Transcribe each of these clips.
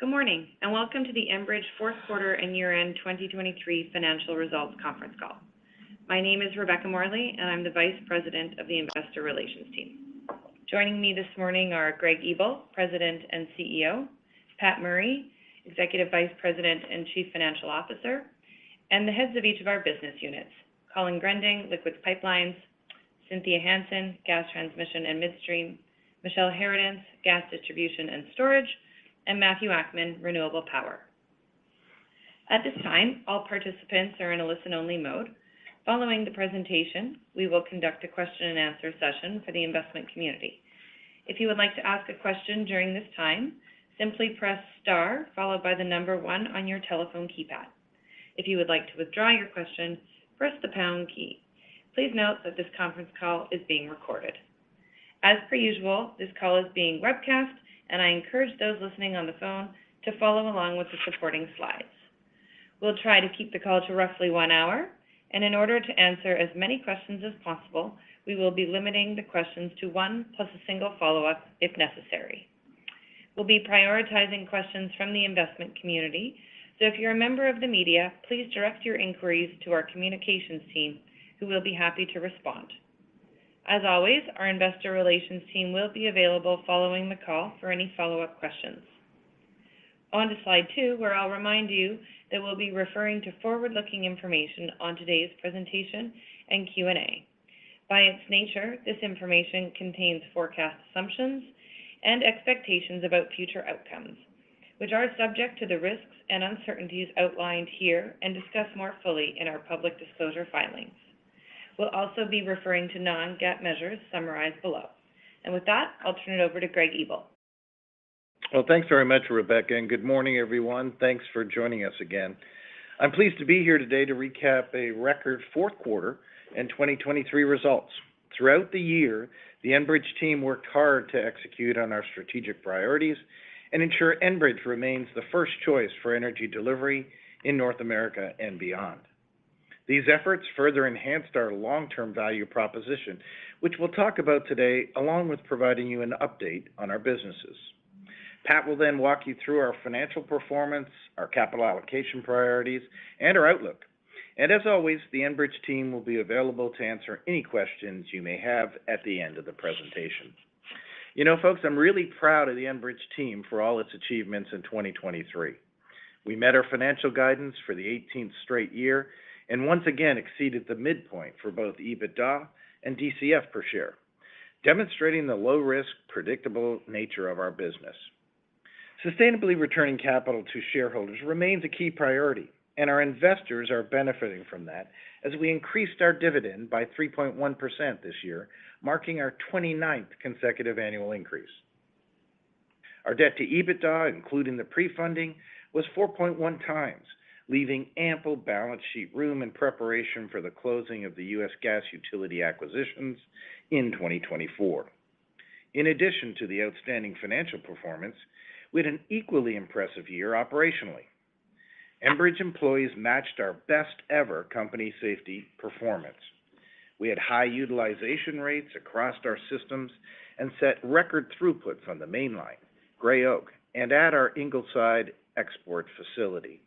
Good morning, and welcome to the Enbridge fourth quarter and year-end 2023 financial results conference call. My name is Rebecca Morley, and I'm the Vice President of the Investor Relations team. Joining me this morning are Greg Ebel, President and CEO; Pat Murray, Executive Vice President and Chief Financial Officer; and the heads of each of our business units, Colin Gruending, Liquids Pipelines; Cynthia Hansen, Gas Transmission and Midstream; Michele Harradence, Gas Distribution and Storage; and Matthew Akman, Renewable Power. At this time, all participants are in a listen-only mode. Following the presentation, we will conduct a question and answer session for the investment community. If you would like to ask a question during this time, simply press star followed by the number one on your telephone keypad. If you would like to withdraw your question, press the pound key. Please note that this conference call is being recorded. As per usual, this call is being webcasted, and I encourage those listening on the phone to follow along with the supporting slides. We'll try to keep the call to roughly one hour, and in order to answer as many questions as possible, we will be limiting the questions to one, plus a single follow-up if necessary. We'll be prioritizing questions from the investment community, so if you're a member of the media, please direct your inquiries to our communications team, who will be happy to respond. As always, our investor relations team will be available following the call for any follow-up questions. On to slide two, where I'll remind you that we'll be referring to forward-looking information on today's presentation and Q&A. By its nature, this information contains forecast assumptions and expectations about future outcomes, which are subject to the risks and uncertainties outlined here and discussed more fully in our public disclosure filings. We'll also be referring to non-GAAP measures summarized below. With that, I'll turn it over to Greg Ebel. Well, thanks very much, Rebecca, and good morning, everyone. Thanks for joining us again. I'm pleased to be here today to recap a record fourth quarter and 2023 results. Throughout the year, the Enbridge team worked hard to execute on our strategic priorities and ensure Enbridge remains the first choice for energy delivery in North America and beyond. These efforts further enhanced our long-term value proposition, which we'll talk about today, along with providing you an update on our businesses. Pat will then walk you through our financial performance, our capital allocation priorities, and our outlook. As always, the Enbridge team will be available to answer any questions you may have at the end of the presentation. You know, folks, I'm really proud of the Enbridge team for all its achievements in 2023. We met our financial guidance for the 18th straight year and once again exceeded the midpoint for both EBITDA and DCF per share, demonstrating the low-risk, predictable nature of our business. Sustainably returning capital to shareholders remains a key priority, and our investors are benefiting from that as we increased our dividend by 3.1% this year, marking our 29th consecutive annual increase. Our debt to EBITDA, including the pre-funding, was 4.1x, leaving ample balance sheet room in preparation for the closing of the U.S. Gas utility acquisitions in 2024. In addition to the outstanding financial performance, we had an equally impressive year operationally. Enbridge employees matched our best-ever company safety performance. We had high utilization rates across our systems and set record throughputs on the Mainline, Gray Oak, and at our Ingleside export facility.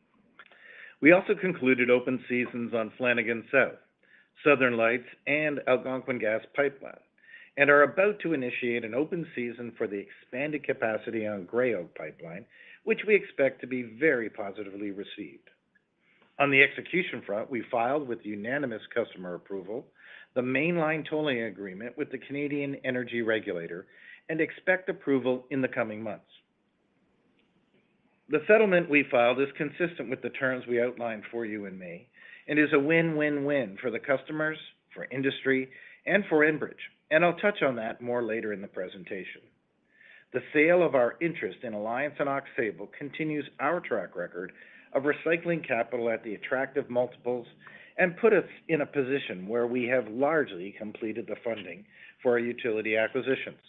We also concluded open seasons on Flanagan South, Southern Lights, and Algonquin Gas Transmission, and are about to initiate an open season for the expanded capacity on Gray Oak Pipeline, which we expect to be very positively received. On the execution front, we filed, with unanimous customer approval, the Mainline tolling agreement with the Canadian Energy Regulator, and expect approval in the coming months. The settlement we filed is consistent with the terms we outlined for you in May and is a win-win-win for the customers, for industry, and for Enbridge, and I'll touch on that more later in the presentation. The sale of our interest in Alliance and Aux Sable continues our track record of recycling capital at the attractive multiples and put us in a position where we have largely completed the funding for our utility acquisitions.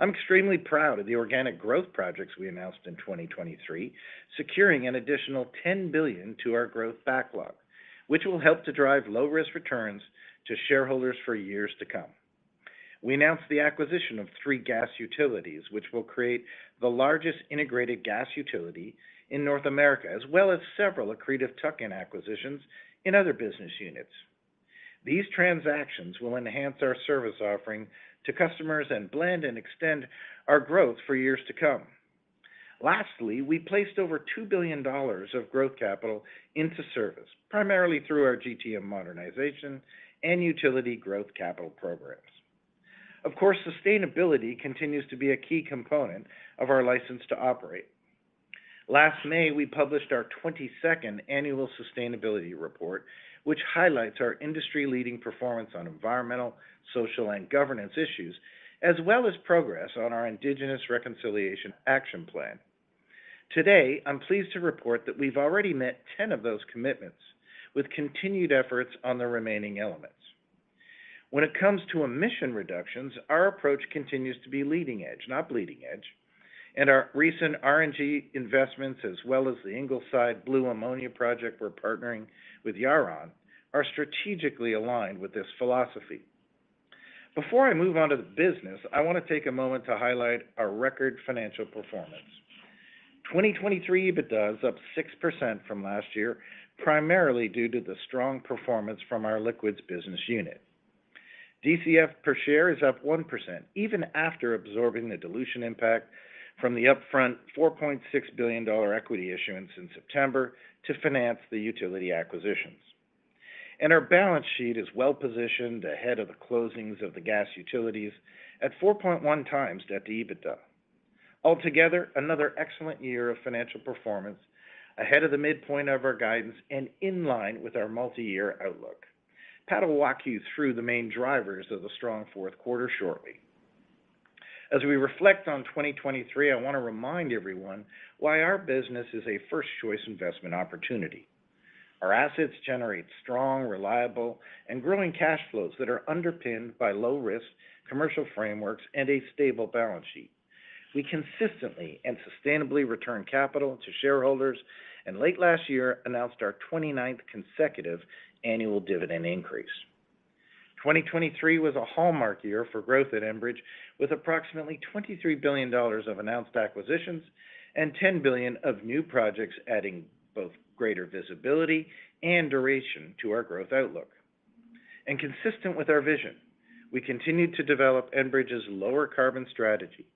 I'm extremely proud of the organic growth projects we announced in 2023, securing an additional 10 billion to our growth backlog, which will help to drive low-risk returns to shareholders for years to come. We announced the acquisition of three gas utilities, which will create the largest integrated gas utility in North America, as well as several accretive tuck-in acquisitions in other business units. These transactions will enhance our service offering to customers and blend and extend our growth for years to come. Lastly, we placed over 2 billion dollars of growth capital into service, primarily through our GTM Modernization and utility growth capital programs. Of course, sustainability continues to be a key component of our license to operate. Last May, we published our 22nd annual sustainability report, which highlights our industry-leading performance on environmental, social, and governance issues, as well as progress on our Indigenous Reconciliation Action Plan. Today, I'm pleased to report that we've already met 10 of those commitments with continued efforts on the remaining elements. When it comes to emission reductions, our approach continues to be leading edge, not bleeding edge, and our recent RNG investments, as well as the Ingleside Blue Ammonia project we're partnering with Yara, are strategically aligned with this philosophy. Before I move on to the business, I wanna take a moment to highlight our record financial performance. 2023 EBITDA is up 6% from last year, primarily due to the strong performance from our Liquids business unit. DCF per share is up 1%, even after absorbing the dilution impact from the upfront $4.6 billion equity issuance in September to finance the utility acquisitions. And our balance sheet is well-positioned ahead of the closings of the gas utilities at 4.1x debt to EBITDA. Altogether, another excellent year of financial performance ahead of the midpoint of our guidance and in line with our multi-year outlook. Pat will walk you through the main drivers of the strong fourth quarter shortly. As we reflect on 2023, I wanna remind everyone why our business is a first-choice investment opportunity. Our assets generate strong, reliable, and growing cash flows that are underpinned by low risk, commercial frameworks, and a stable balance sheet. We consistently and sustainably return capital to shareholders, and late last year announced our 29th consecutive annual dividend increase. 2023 was a hallmark year for growth at Enbridge, with approximately 23 billion dollars of announced acquisitions and 10 billion of new projects, adding both greater visibility and duration to our growth outlook. Consistent with our vision, we continued to develop Enbridge's lower carbon strategy,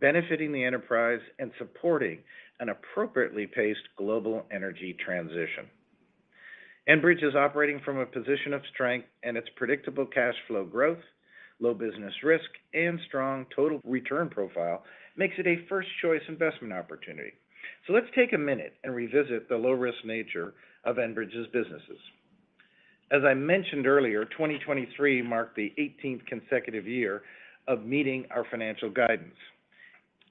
benefiting the enterprise and supporting an appropriately paced global energy transition. Enbridge is operating from a position of strength, and its predictable cash flow growth, low business risk, and strong total return profile makes it a first-choice investment opportunity. Let's take a minute and revisit the low-risk nature of Enbridge's businesses. As I mentioned earlier, 2023 marked the 18th consecutive year of meeting our financial guidance,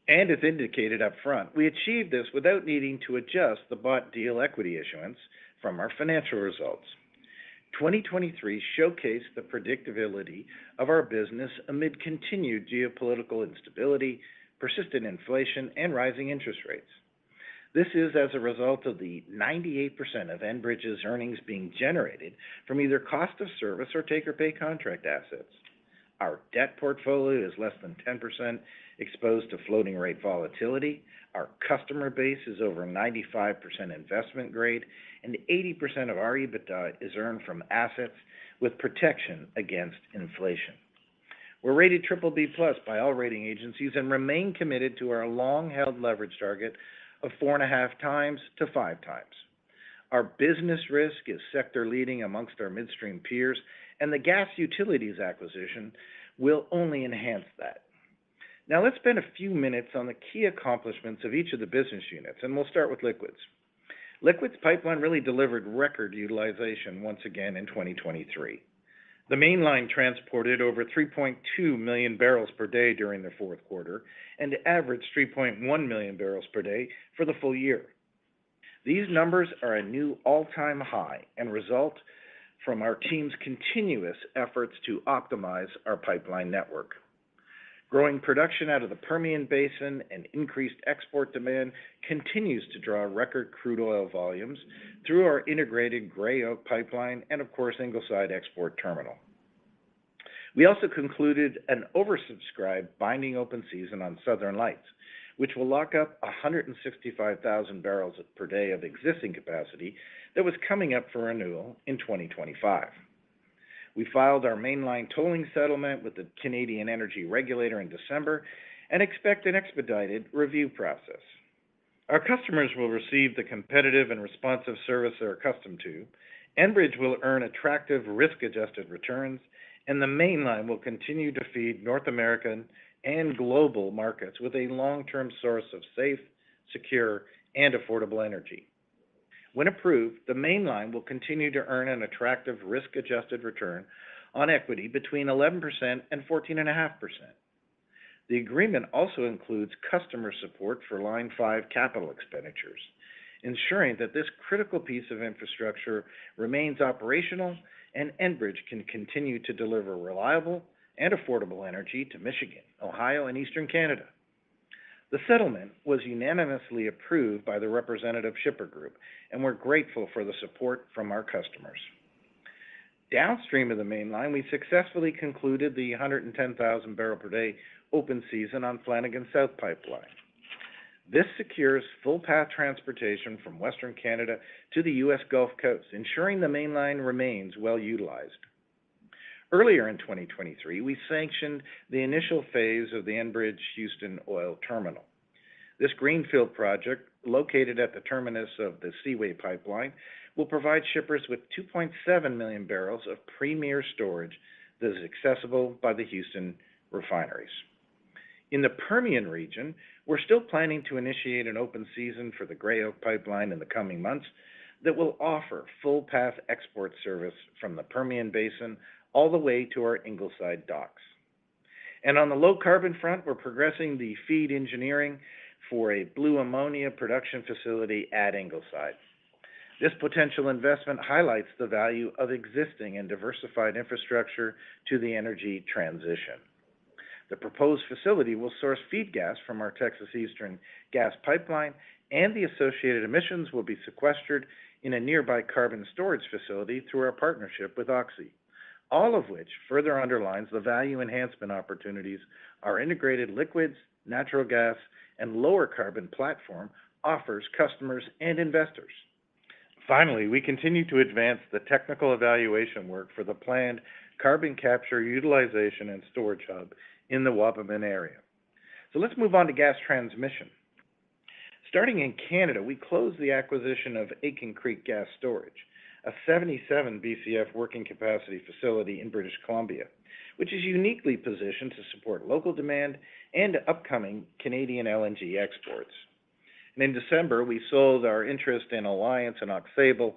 and as indicated upfront, we achieved this without needing to adjust the Bought-Deal equity issuance from our financial results. 2023 showcased the predictability of our business amid continued geopolitical instability, persistent inflation, and rising interest rates. This is as a result of the 98% of Enbridge's earnings being generated from either Cost of Service or Take-or-Pay contract assets. Our debt portfolio is less than 10% exposed to floating rate volatility. Our customer base is over 95% investment grade, and 80% of our EBITDA is earned from assets with protection against inflation. We're rated BBB+ by all rating agencies and remain committed to our long-held leverage target of 4.5x-5x. Our business risk is sector-leading amongst our midstream peers, and the gas utilities acquisition will only enhance that. Now, let's spend a few minutes on the key accomplishments of each of the business units, and we'll start with Liquids. Liquids Pipeline really delivered record utilization once again in 2023. The Mainline transported over 3.2 million barrels per day during the fourth quarter and averaged 3.1 million barrels per day for the full year. These numbers are a new all-time high and result from our team's continuous efforts to optimize our pipeline network. Growing production out of the Permian Basin and increased export demand continues to draw record crude oil volumes through our integrated Gray Oak Pipeline and, of course, Ingleside Export Terminal. We also concluded an oversubscribed binding open season on Southern Lights, which will lock up 165,000 barrels per day of existing capacity that was coming up for renewal in 2025. We filed our Mainline tolling settlement with the Canadian Energy Regulator in December and expect an expedited review process. Our customers will receive the competitive and responsive service they're accustomed to. Enbridge will earn attractive risk-adjusted returns, and the Mainline will continue to feed North American and global markets with a long-term source of safe, secure, and affordable energy. When approved, the Mainline will continue to earn an attractive risk-adjusted return on equity between 11% and 14.5%. The agreement also includes customer support for Line 5 capital expenditures, ensuring that this critical piece of infrastructure remains operational and Enbridge can continue to deliver reliable and affordable energy to Michigan, Ohio, and Eastern Canada. The settlement was unanimously approved by the Representative Shipper Group, and we're grateful for the support from our customers. Downstream of the Mainline, we successfully concluded the 110,000 barrel per day open season on Flanagan South Pipeline. This secures full path transportation from Western Canada to the U.S. Gulf Coast, ensuring the Mainline remains well-utilized. Earlier in 2023, we sanctioned the initial phase of the Enbridge Houston Oil Terminal. This greenfield project, located at the terminus of the Seaway Pipeline, will provide shippers with 2.7 million barrels of premier storage that is accessible by the Houston refineries. In the Permian region, we're still planning to initiate an open season for the Gray Oak Pipeline in the coming months that will offer full path export service from the Permian Basin all the way to our Ingleside docks. And on the low-carbon front, we're progressing the FEED engineering for a blue ammonia production facility at Ingleside. This potential investment highlights the value of existing and diversified infrastructure to the energy transition.... The proposed facility will source feed gas from our Texas Eastern Gas Pipeline, and the associated emissions will be sequestered in a nearby carbon storage facility through our partnership with Oxy. All of which further underlines the value enhancement opportunities, our integrated liquids, natural gas, and lower carbon platform offers customers and investors. Finally, we continue to advance the technical evaluation work for the planned carbon capture, utilization, and storage hub in the Wabamun area. Let's move on to gas transmission. Starting in Canada, we closed the acquisition of Aitken Creek Gas Storage, a 77 BCF working capacity facility in British Columbia, which is uniquely positioned to support local demand and upcoming Canadian LNG exports. In December, we sold our interest in Alliance and Aux Sable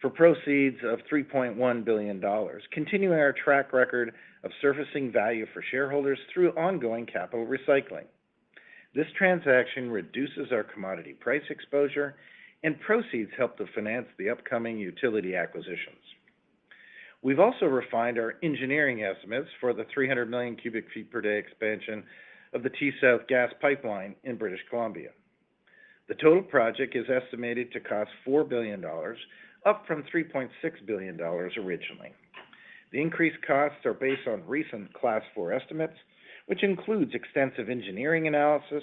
for proceeds of 3.1 billion dollars, continuing our track record of surfacing value for shareholders through ongoing capital recycling. This transaction reduces our commodity price exposure, and proceeds help to finance the upcoming utility acquisitions. We've also refined our engineering estimates for the 300 million cubic feet per day expansion of the T-South Gas Pipeline in British Columbia. The total project is estimated to cost 4 billion dollars, up from 3.6 billion dollars originally. The increased costs are based on recent Class Four estimates, which includes extensive engineering analysis,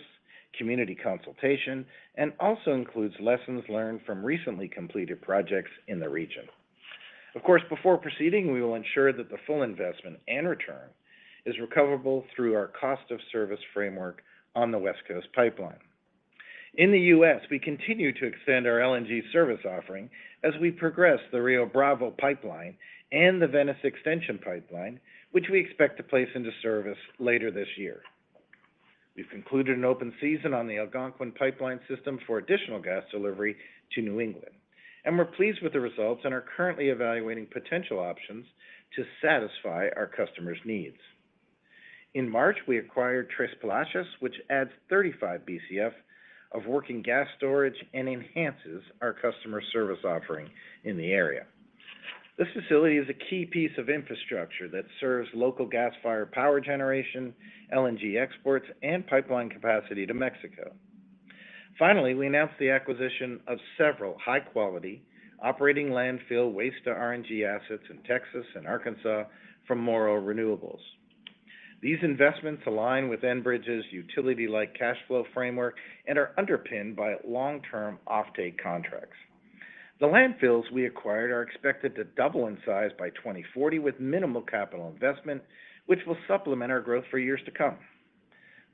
community consultation, and also includes lessons learned from recently completed projects in the region. Of course, before proceeding, we will ensure that the full investment and return is recoverable through our cost of service framework on the West Coast pipeline. In the U.S., we continue to extend our LNG service offering as we progress the Rio Bravo Pipeline and the Venice Extension Pipeline, which we expect to place into service later this year. We've concluded an open season on the Algonquin Pipeline system for additional gas delivery to New England, and we're pleased with the results and are currently evaluating potential options to satisfy our customers' needs. In March, we acquired Tres Palacios, which adds 35 BCF of working gas storage and enhances our customer service offering in the area. This facility is a key piece of infrastructure that serves local gas-fired power generation, LNG exports, and pipeline capacity to Mexico. Finally, we announced the acquisition of several high-quality operating landfill waste to RNG assets in Texas and Arkansas from Morrow Renewables. These investments align with Enbridge's utility-like cash flow framework and are underpinned by long-term offtake contracts. The landfills we acquired are expected to double in size by 2040, with minimal capital investment, which will supplement our growth for years to come.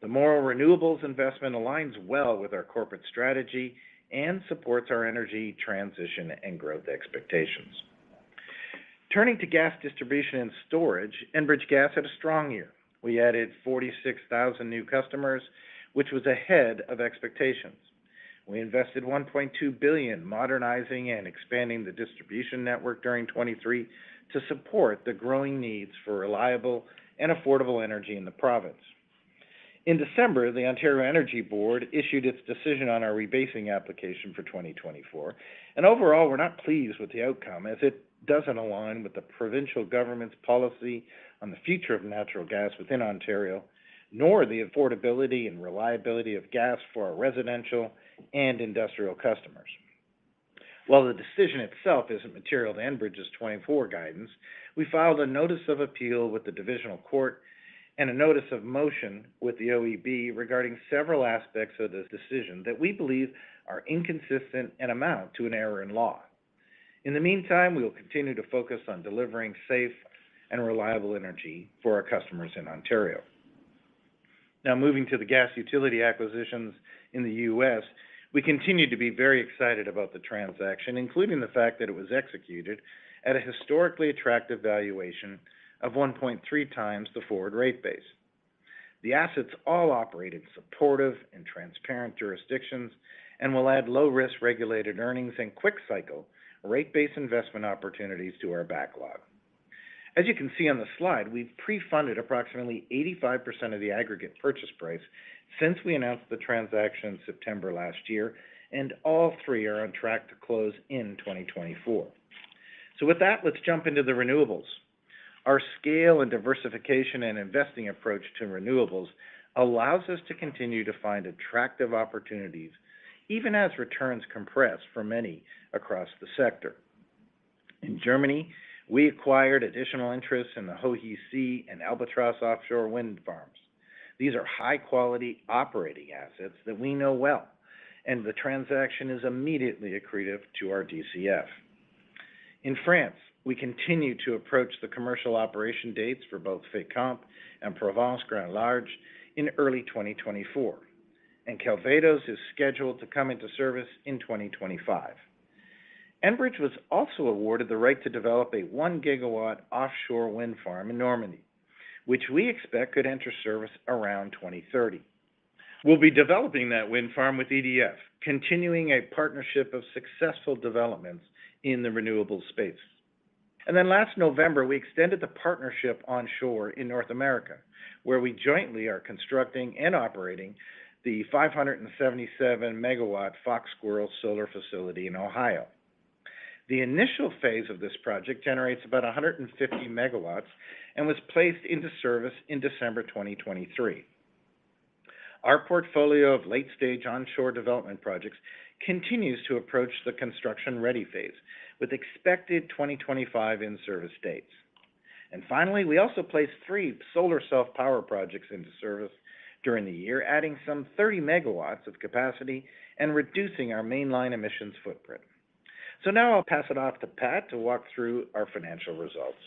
The Morrow Renewables investment aligns well with our corporate strategy and supports our energy transition and growth expectations. Turning to gas distribution and storage, Enbridge Gas had a strong year. We added 46,000 new customers, which was ahead of expectations. We invested 1.2 billion, modernizing and expanding the distribution network during 2023 to support the growing needs for reliable and affordable energy in the province. In December, the Ontario Energy Board issued its decision on our rebasing application for 2024, and overall, we're not pleased with the outcome as it doesn't align with the provincial government's policy on the future of natural gas within Ontario, nor the affordability and reliability of gas for our residential and industrial customers. While the decision itself isn't material to Enbridge's 2024 guidance, we filed a notice of appeal with the Divisional Court and a notice of motion with the OEB regarding several aspects of this decision that we believe are inconsistent and amount to an error in law. In the meantime, we will continue to focus on delivering safe and reliable energy for our customers in Ontario. Now, moving to the gas utility acquisitions in the U.S., we continue to be very excited about the transaction, including the fact that it was executed at a historically attractive valuation of 1.3x the forward rate base. The assets all operate in supportive and transparent jurisdictions and will add low-risk regulated earnings and quick cycle rate-based investment opportunities to our backlog. As you can see on the slide, we've pre-funded approximately 85% of the aggregate purchase price since we announced the transaction in September last year, and all three are on track to close in 2024. So with that, let's jump into the renewables. Our scale and diversification and investing approach to renewables allows us to continue to find attractive opportunities, even as returns compress for many across the sector. In Germany, we acquired additional interests in the Hohe See and Albatross offshore wind farms. These are high-quality operating assets that we know well, and the transaction is immediately accretive to our DCF. In France, we continue to approach the commercial operation dates for both Fécamp and Provence Grand Large in early 2024, and Calvados is scheduled to come into service in 2025. Enbridge was also awarded the right to develop a one gigawatt offshore wind farm in Normandy, which we expect could enter service around 2030. We'll be developing that wind farm with EDF, continuing a partnership of successful developments in the renewables space. And then last November, we extended the partnership onshore in North America, where we jointly are constructing and operating the 577 megawatt Fox Squirrel Solar Facility in Ohio. The initial phase of this project generates about 150 megawatts and was placed into service in December 2023. Our portfolio of late-stage onshore development projects continues to approach the construction-ready phase, with expected 2025 in-service dates. And finally, we also placed three solar self-power projects into service during the year, adding some 30 megawatts of capacity and reducing our mainline emissions footprint. Now I'll pass it off to Pat to walk through our financial results.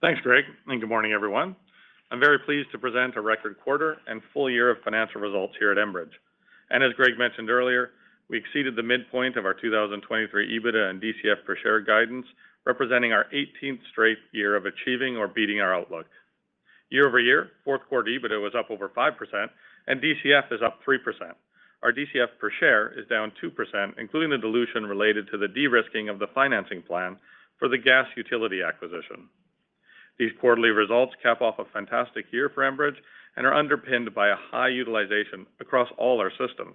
Thanks, Greg, and good morning, everyone. I'm very pleased to present a record quarter and full year of financial results here at Enbridge. As Greg mentioned earlier, we exceeded the midpoint of our 2023 EBITDA and DCF per share guidance, representing our 18th straight year of achieving or beating our outlook. Year-over-year, fourth-quarter EBITDA was up over 5% and DCF is up 3%. Our DCF per share is down 2%, including the dilution related to the de-risking of the financing plan for the gas utility acquisition. These quarterly results cap off a fantastic year for Enbridge and are underpinned by a high utilization across all our systems.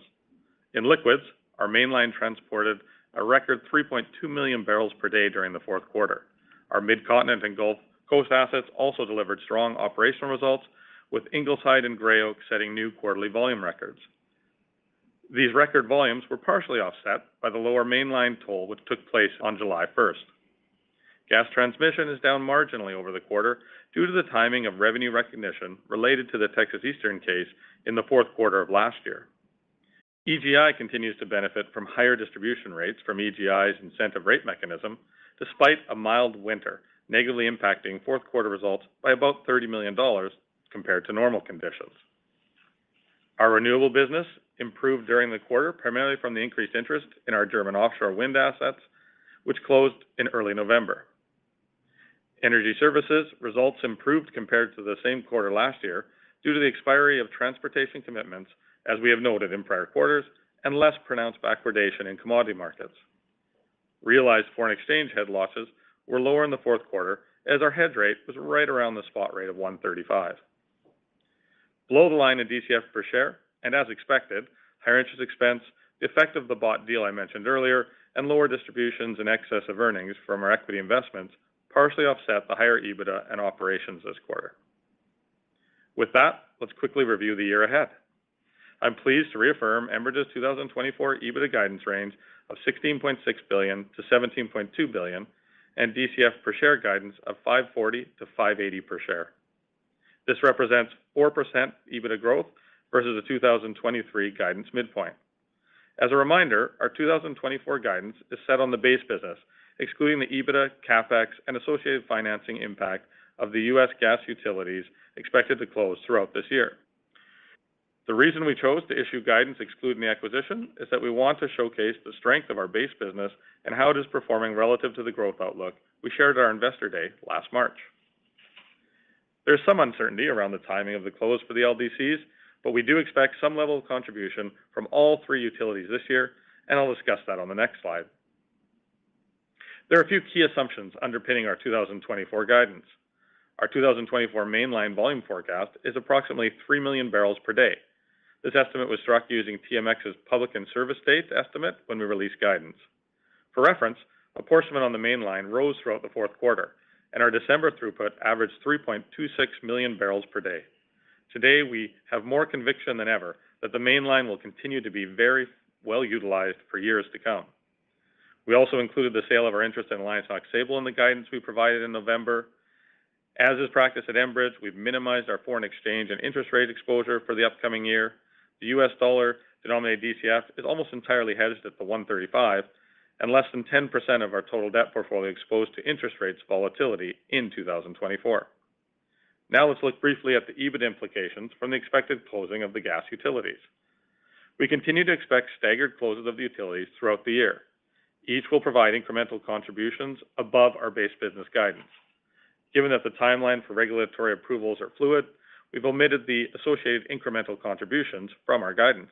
In liquids, our Mainline transported a record 3.2 million barrels per day during the fourth quarter. Our Midcontinent and Gulf Coast assets also delivered strong operational results, with Ingleside and Gray Oak setting new quarterly volume records. These record volumes were partially offset by the lower mainline toll, which took place on July first. Gas transmission is down marginally over the quarter due to the timing of revenue recognition related to the Texas Eastern case in the fourth quarter of last year. EGI continues to benefit from higher distribution rates from EGI's incentive rate mechanism, despite a mild winter, negatively impacting fourth-quarter results by about 30 million dollars compared to normal conditions. Our renewable business improved during the quarter, primarily from the increased interest in our German offshore wind assets, which closed in early November. Energy services results improved compared to the same quarter last year due to the expiry of transportation commitments, as we have noted in prior quarters, and less pronounced backwardation in commodity markets. Realized foreign exchange head losses were lower in the fourth quarter, as our hedge rate was right around the spot rate of 1.35. Below the line in DCF per share, and as expected, higher interest expense, the effect of the Bought-Deal I mentioned earlier, and lower distributions in excess of earnings from our equity investments partially offset the higher EBITDA and operations this quarter. With that, let's quickly review the year ahead. I'm pleased to reaffirm Enbridge's 2024 EBITDA guidance range of 16.6 billion-17.2 billion and DCF per share guidance of 5.40-5.80 per share. This represents 4% EBITDA growth versus the 2023 guidance midpoint. As a reminder, our 2024 guidance is set on the base business, excluding the EBITDA, CapEx, and associated financing impact of the U.S. gas utilities expected to close throughout this year. The reason we chose to issue guidance excluding the acquisition is that we want to showcase the strength of our base business and how it is performing relative to the growth outlook we shared at our Investor Day last March. There's some uncertainty around the timing of the close for the LDCs, but we do expect some level of contribution from all three utilities this year, and I'll discuss that on the next slide. There are a few key assumptions underpinning our 2024 guidance. Our 2024 Mainline volume forecast is approximately 3 million barrels per day. This estimate was struck using TMX's public and service date estimate when we released guidance. For reference, apportionment on the Mainline rose throughout the fourth quarter, and our December throughput averaged 3.26 million barrels per day. Today, we have more conviction than ever that the Mainline will continue to be very well-utilized for years to come. We also included the sale of our interest in Aux Sable in the guidance we provided in November. As is practice at Enbridge, we've minimized our foreign exchange and interest rate exposure for the upcoming year. The U.S. dollar-denominated DCF is almost entirely hedged at the 1.35, and less than 10% of our total debt portfolio exposed to interest rates volatility in 2024. Now, let's look briefly at the EBIT implications from the expected closing of the gas utilities. We continue to expect staggered closes of the utilities throughout the year. Each will provide incremental contributions above our base business guidance. Given that the timeline for regulatory approvals are fluid, we've omitted the associated incremental contributions from our guidance.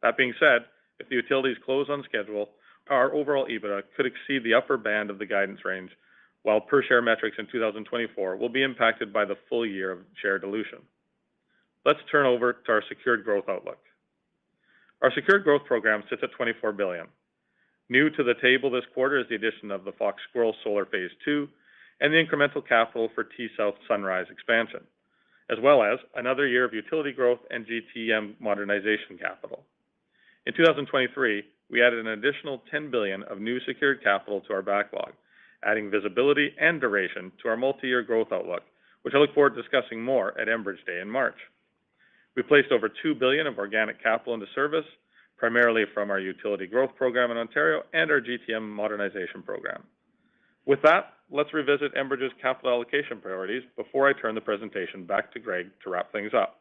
That being said, if the utilities close on schedule, our overall EBITDA could exceed the upper band of the guidance range, while per-share metrics in 2024 will be impacted by the full year of share dilution. Let's turn over to our secured growth outlook. Our secured growth program sits at CAD 24 billion. New to the table this quarter is the addition of the Fox Squirrel Solar Phase 2 and the incremental capital for T-South Sunrise Expansion, as well as another year of utility growth and GTM Modernization capital. In 2023, we added an additional 10 billion of new secured capital to our backlog, adding visibility and duration to our multi-year growth outlook, which I look forward to discussing more at Enbridge Day in March. We placed over 2 billion of organic capital into service, primarily from our utility growth program in Ontario and our GTM Modernization program. With that, let's revisit Enbridge's capital allocation priorities before I turn the presentation back to Greg to wrap things up.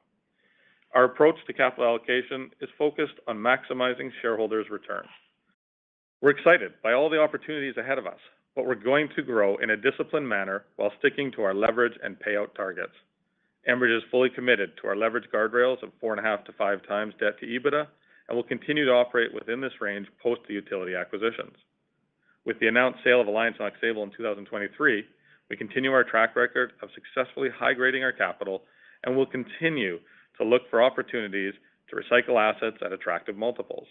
Our approach to capital allocation is focused on maximizing shareholders' returns. We're excited by all the opportunities ahead of us, but we're going to grow in a disciplined manner while sticking to our leverage and payout targets. Enbridge is fully committed to our leverage guardrails of 4.5x-5x debt to EBITDA, and will continue to operate within this range post the utility acquisitions. With the announced sale of Alliance and Aux Sable in 2023, we continue our track record of successfully high-grading our capital and will continue to look for opportunities to recycle assets at attractive multiples.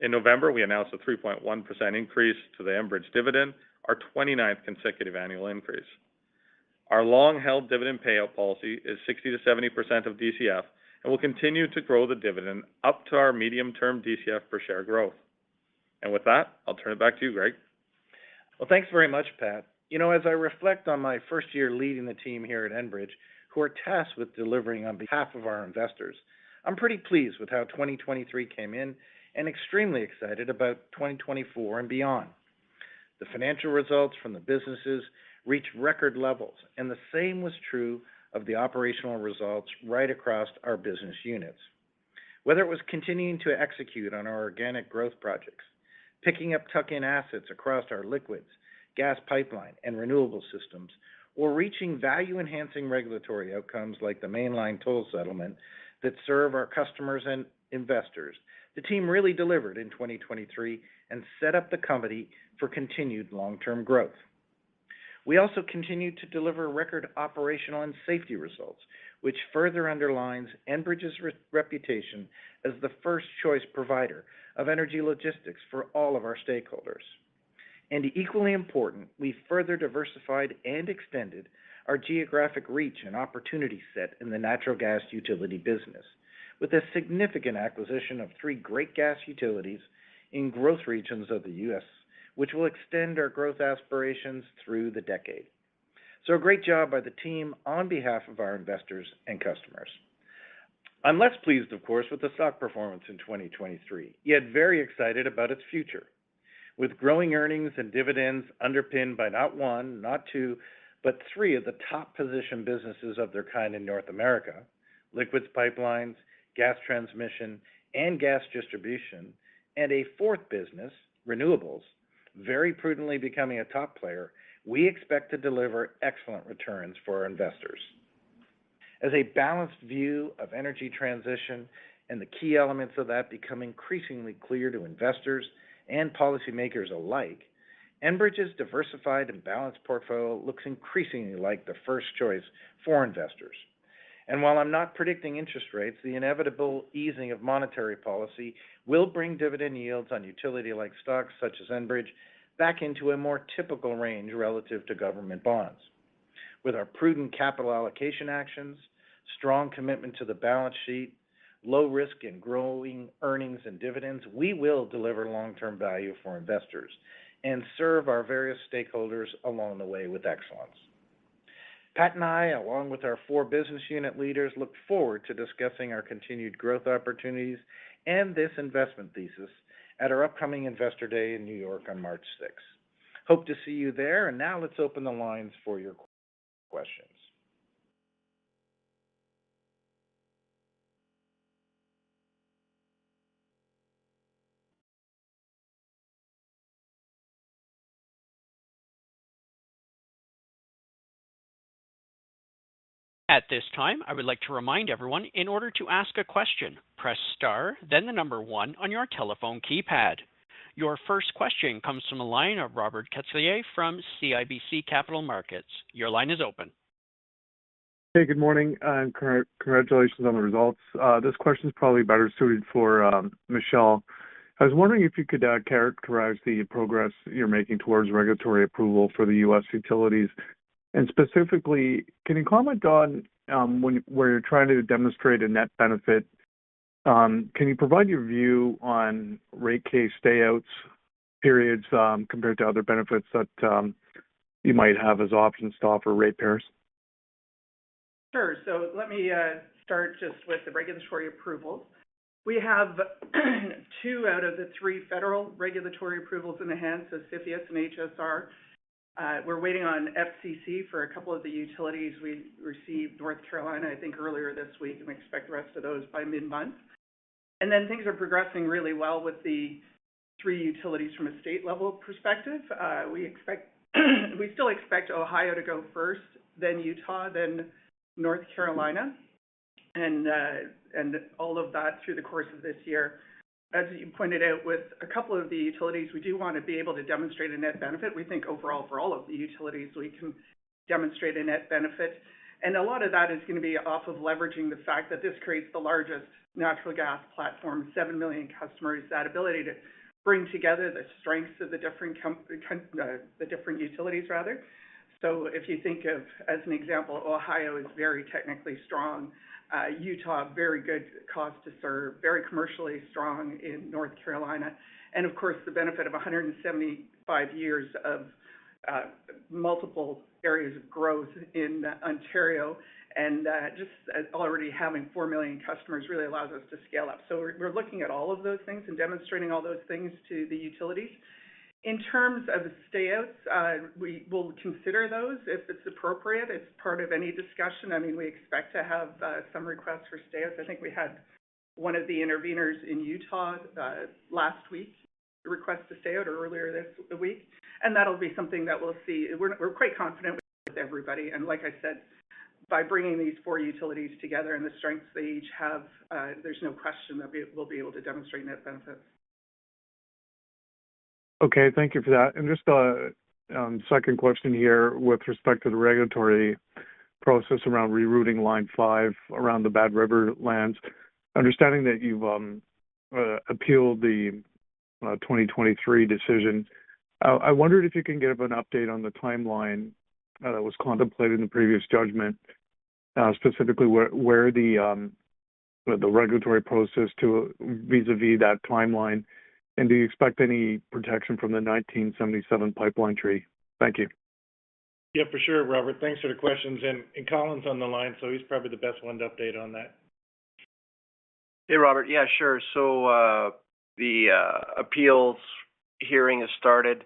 In November, we announced a 3.1% increase to the Enbridge dividend, our 29th consecutive annual increase. Our long-held dividend payout policy is 60%-70% of DCF, and we'll continue to grow the dividend up to our medium-term DCF per share growth. With that, I'll turn it back to you, Greg. Well, thanks very much, Pat. You know, as I reflect on my first year leading the team here at Enbridge, who are tasked with delivering on behalf of our investors, I'm pretty pleased with how 2023 came in and extremely excited about 2024 and beyond. The financial results from the businesses reached record levels, and the same was true of the operational results right across our business units. Whether it was continuing to execute on our organic growth projects, picking up tuck-in assets across our liquids, gas pipeline, and renewable systems, or reaching value-enhancing regulatory outcomes like the Mainline toll settlement that serve our customers and investors, the team really delivered in 2023 and set up the company for continued long-term growth. We also continued to deliver record operational and safety results, which further underlines Enbridge's reputation as the first-choice provider of energy logistics for all of our stakeholders. And equally important, we further diversified and extended our geographic reach and opportunity set in the natural gas utility business with a significant acquisition of three great gas utilities in growth regions of the U.S., which will extend our growth aspirations through the decade. So a great job by the team on behalf of our investors and customers. I'm less pleased, of course, with the stock performance in 2023, yet very excited about its future. With growing earnings and dividends underpinned by not one, not two, but three of the top-positioned businesses of their kind in North America, liquids pipelines, gas transmission, and gas distribution, and a fourth business, renewables, very prudently becoming a top player, we expect to deliver excellent returns for our investors. As a balanced view of energy transition and the key elements of that become increasingly clear to investors and policymakers alike, Enbridge's diversified and balanced portfolio looks increasingly like the first choice for investors. While I'm not predicting interest rates, the inevitable easing of monetary policy will bring dividend yields on utility-like stocks, such as Enbridge, back into a more typical range relative to government bonds. With our prudent capital allocation actions, strong commitment to the balance sheet, low risk, and growing earnings and dividends, we will deliver long-term value for investors and serve our various stakeholders along the way with excellence. Pat and I, along with our four business unit leaders, look forward to discussing our continued growth opportunities and this investment thesis at our upcoming Investor Day in New York on March sixth. Hope to see you there, and now let's open the lines for your questions. At this time, I would like to remind everyone, in order to ask a question, press star, then the number one on your telephone keypad. Your first question comes from the line of Robert Catellier from CIBC Capital Markets. Your line is open. Hey, good morning, and congratulations on the results. This question is probably better suited for Michele. I was wondering if you could characterize the progress you're making towards regulatory approval for the U.S. utilities, and specifically, can you comment on where you're trying to demonstrate a net benefit, can you provide your view on rate case stay-out periods, compared to other benefits that you might have as options to offer ratepayers? Sure. So let me start just with the regulatory approvals. We have two out of the three federal regulatory approvals in the hands of CFIUS and HSR. We're waiting on FCC for a couple of the utilities. We received North Carolina, I think, earlier this week, and we expect the rest of those by mid-month. And then things are progressing really well with the three utilities from a state-level perspective. We expect, we still expect Ohio to go first, then Utah, then North Carolina, and all of that through the course of this year. As you pointed out, with a couple of the utilities, we do want to be able to demonstrate a net benefit. We think overall, for all of the utilities, we can demonstrate a net benefit, and a lot of that is gonna be off of leveraging the fact that this creates the largest natural gas platform, 7 million customers, that ability to bring together the strengths of the different utilities, rather. So if you think of, as an example, Ohio is very technically strong, Utah, very good cost to serve, very commercially strong in North Carolina, and of course, the benefit of 175 years of multiple areas of growth in Ontario, and just as already having 4 million customers really allows us to scale up. So we're looking at all of those things and demonstrating all those things to the utilities. In terms of the stay-outs, we will consider those if it's appropriate. It's part of any discussion. I mean, we expect to have some requests for stay-outs. I think we had one of the interveners in Utah last week request to stay out earlier this week, and that'll be something that we'll see. We're quite confident with everybody, and like I said, by bringing these four utilities together and the strengths they each have, there's no question that we will be able to demonstrate net benefits. Okay, thank you for that. Just a second question here with respect to the regulatory process around rerouting Line 5 around the Bad River Band lands. Understanding that you've appealed the 2023 decision, I wondered if you can give an update on the timeline that was contemplated in the previous judgment, specifically, where the regulatory process is vis-à-vis that timeline, and do you expect any protection from the 1977 pipeline treaty? Thank you. Yeah, for sure, Robert. Thanks for the questions, and Colin's on the line, so he's probably the best one to update on that. Hey, Robert. Yeah, sure. The appeals hearing has started.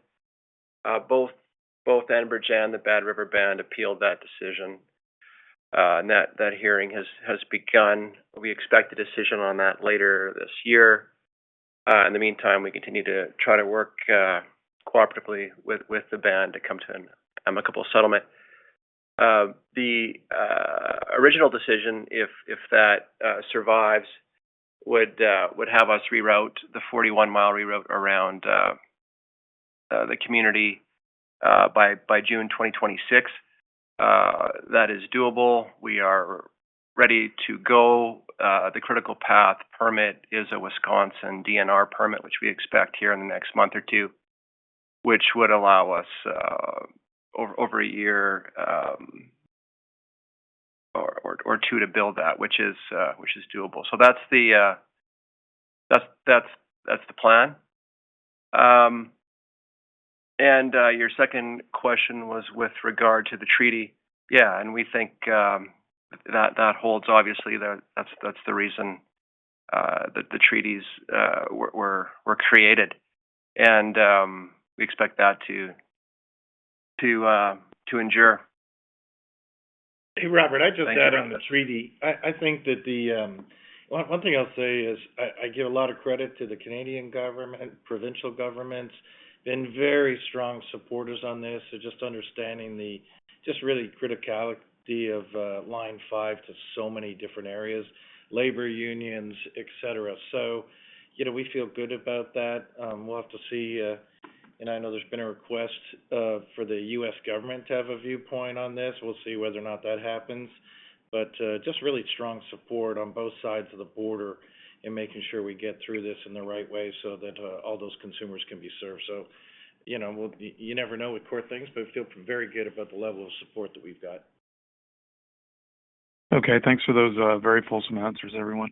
Both Enbridge and the Bad River Band appealed that decision, and that hearing has begun. We expect a decision on that later this year. In the meantime, we continue to try to work cooperatively with the band to come to an amicable settlement. The original decision, if that survives, would have us reroute the 41-mile reroute around the community by June 2026. That is doable. We are ready to go. The critical path permit is a Wisconsin DNR permit, which we expect here in the next month or two, which would allow us over a year or two to build that, which is doable. So that's the plan. And your second question was with regard to the treaty. Yeah, and we think that holds. Obviously, that's the reason that the treaties were created, and we expect that to endure. Hey, Robert, I'd just add on the treaty. I think that the... Well, one thing I'll say is I give a lot of credit to the Canadian government, provincial governments, been very strong supporters on this. So just understanding the really criticality of Line 5 to so many different areas, labor unions, et cetera. So, you know, we feel good about that. We'll have to see, and I know there's been a request for the U.S. government to have a viewpoint on this. We'll see whether or not that happens, but just really strong support on both sides of the border and making sure we get through this in the right way so that all those consumers can be served. You know, you never know with court things, but we feel very good about the level of support that we've got. Okay. Thanks for those, very fulsome answers, everyone.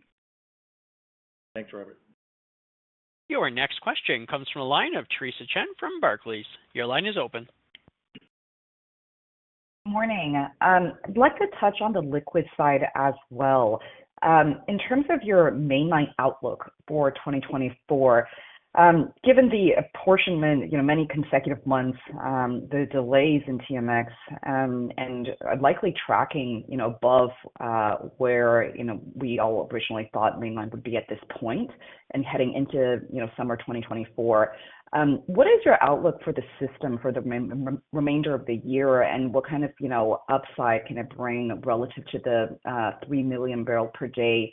Thanks, Robert. Your next question comes from the line of Theresa Chen from Barclays. Your line is open. Morning. I'd like to touch on the liquid side as well. In terms of your mainline outlook for 2024, given the apportionment, you know, many consecutive months, the delays in TMX, and likely tracking, you know, above, where, you know, we all originally thought mainline would be at this point and heading into, you know, summer 2024, what is your outlook for the system for the remainder of the year? And what kind of, you know, upside can it bring relative to the, 3 million barrel per day,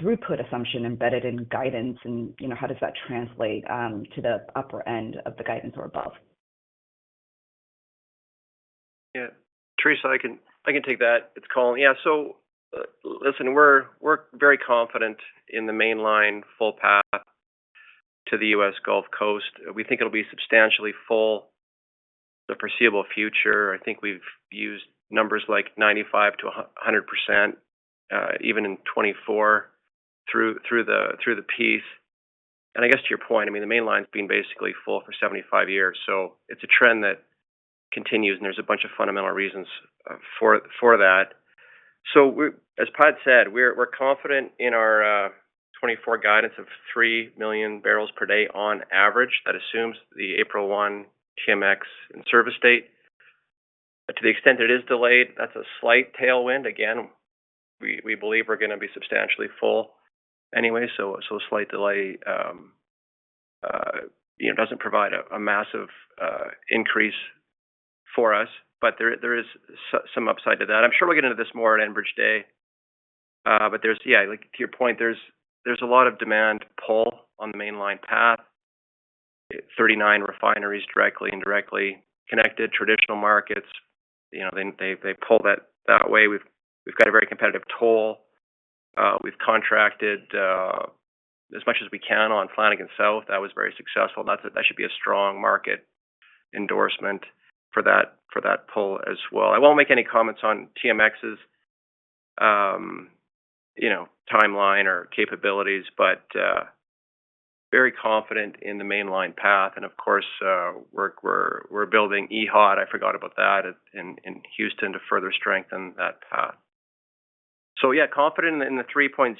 throughput assumption embedded in guidance, and, you know, how does that translate, to the upper end of the guidance or above? Yeah, Theresa, I can take that. It's Colin. Yeah, so listen, we're very confident in the Mainline full path to the U.S. Gulf Coast. We think it'll be substantially full the foreseeable future. I think we've used numbers like 95%-100%, even in 2024, through the period. And I guess to your point, I mean, the Mainline's been basically full for 75 years, so it's a trend that continues, and there's a bunch of fundamental reasons for that. So as Pat said, we're confident in our 2024 guidance of 3 million barrels per day on average. That assumes the April 1 TMX in-service date. To the extent it is delayed, that's a slight tailwind. Again, we believe we're gonna be substantially full anyway, so a slight delay, you know, doesn't provide a massive increase for us, but there is some upside to that. I'm sure we'll get into this more at Enbridge Day, but there's... Yeah, like, to your point, there's a lot of demand pull on the Mainline path. 39 refineries, directly and indirectly connected, traditional markets, you know, they pull that way. We've got a very competitive toll. We've contracted as much as we can on Flanagan South. That was very successful. That should be a strong market endorsement for that pull as well. I won't make any comments on TMX's, you know, timeline or capabilities, but very confident in the Mainline path, and of course, we're building EHOT, I forgot about that, in Houston to further strengthen that path. So yeah, confident in the 3.0.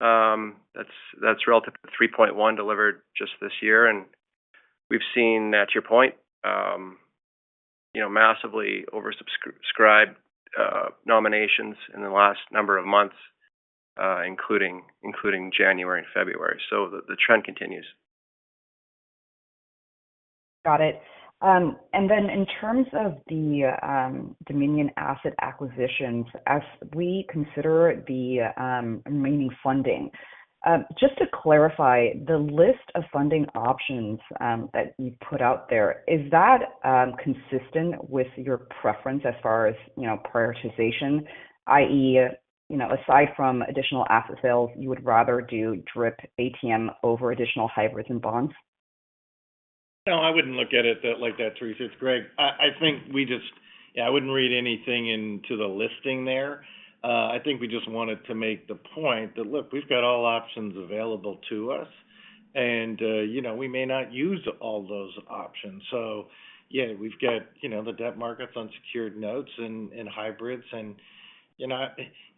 That's relative to 3.1, delivered just this year, and we've seen, that's your point, you know, massively oversubscribed nominations in the last number of months, including January and February, so the trend continues. Got it. And then in terms of the Dominion asset acquisitions, as we consider the remaining funding. Just to clarify, the list of funding options that you put out there, is that consistent with your preference as far as, you know, prioritization, i.e., you know, aside from additional asset sales, you would rather do DRIP ATM over additional hybrids and bonds? No, I wouldn't look at it that, like that, Theresa. It's Greg. I think we just. Yeah, I wouldn't read anything into the listing there. I think we just wanted to make the point that, look, we've got all options available to us, and you know, we may not use all those options. So, yeah, we've got, you know, the debt markets on secured notes and hybrids. And, you know,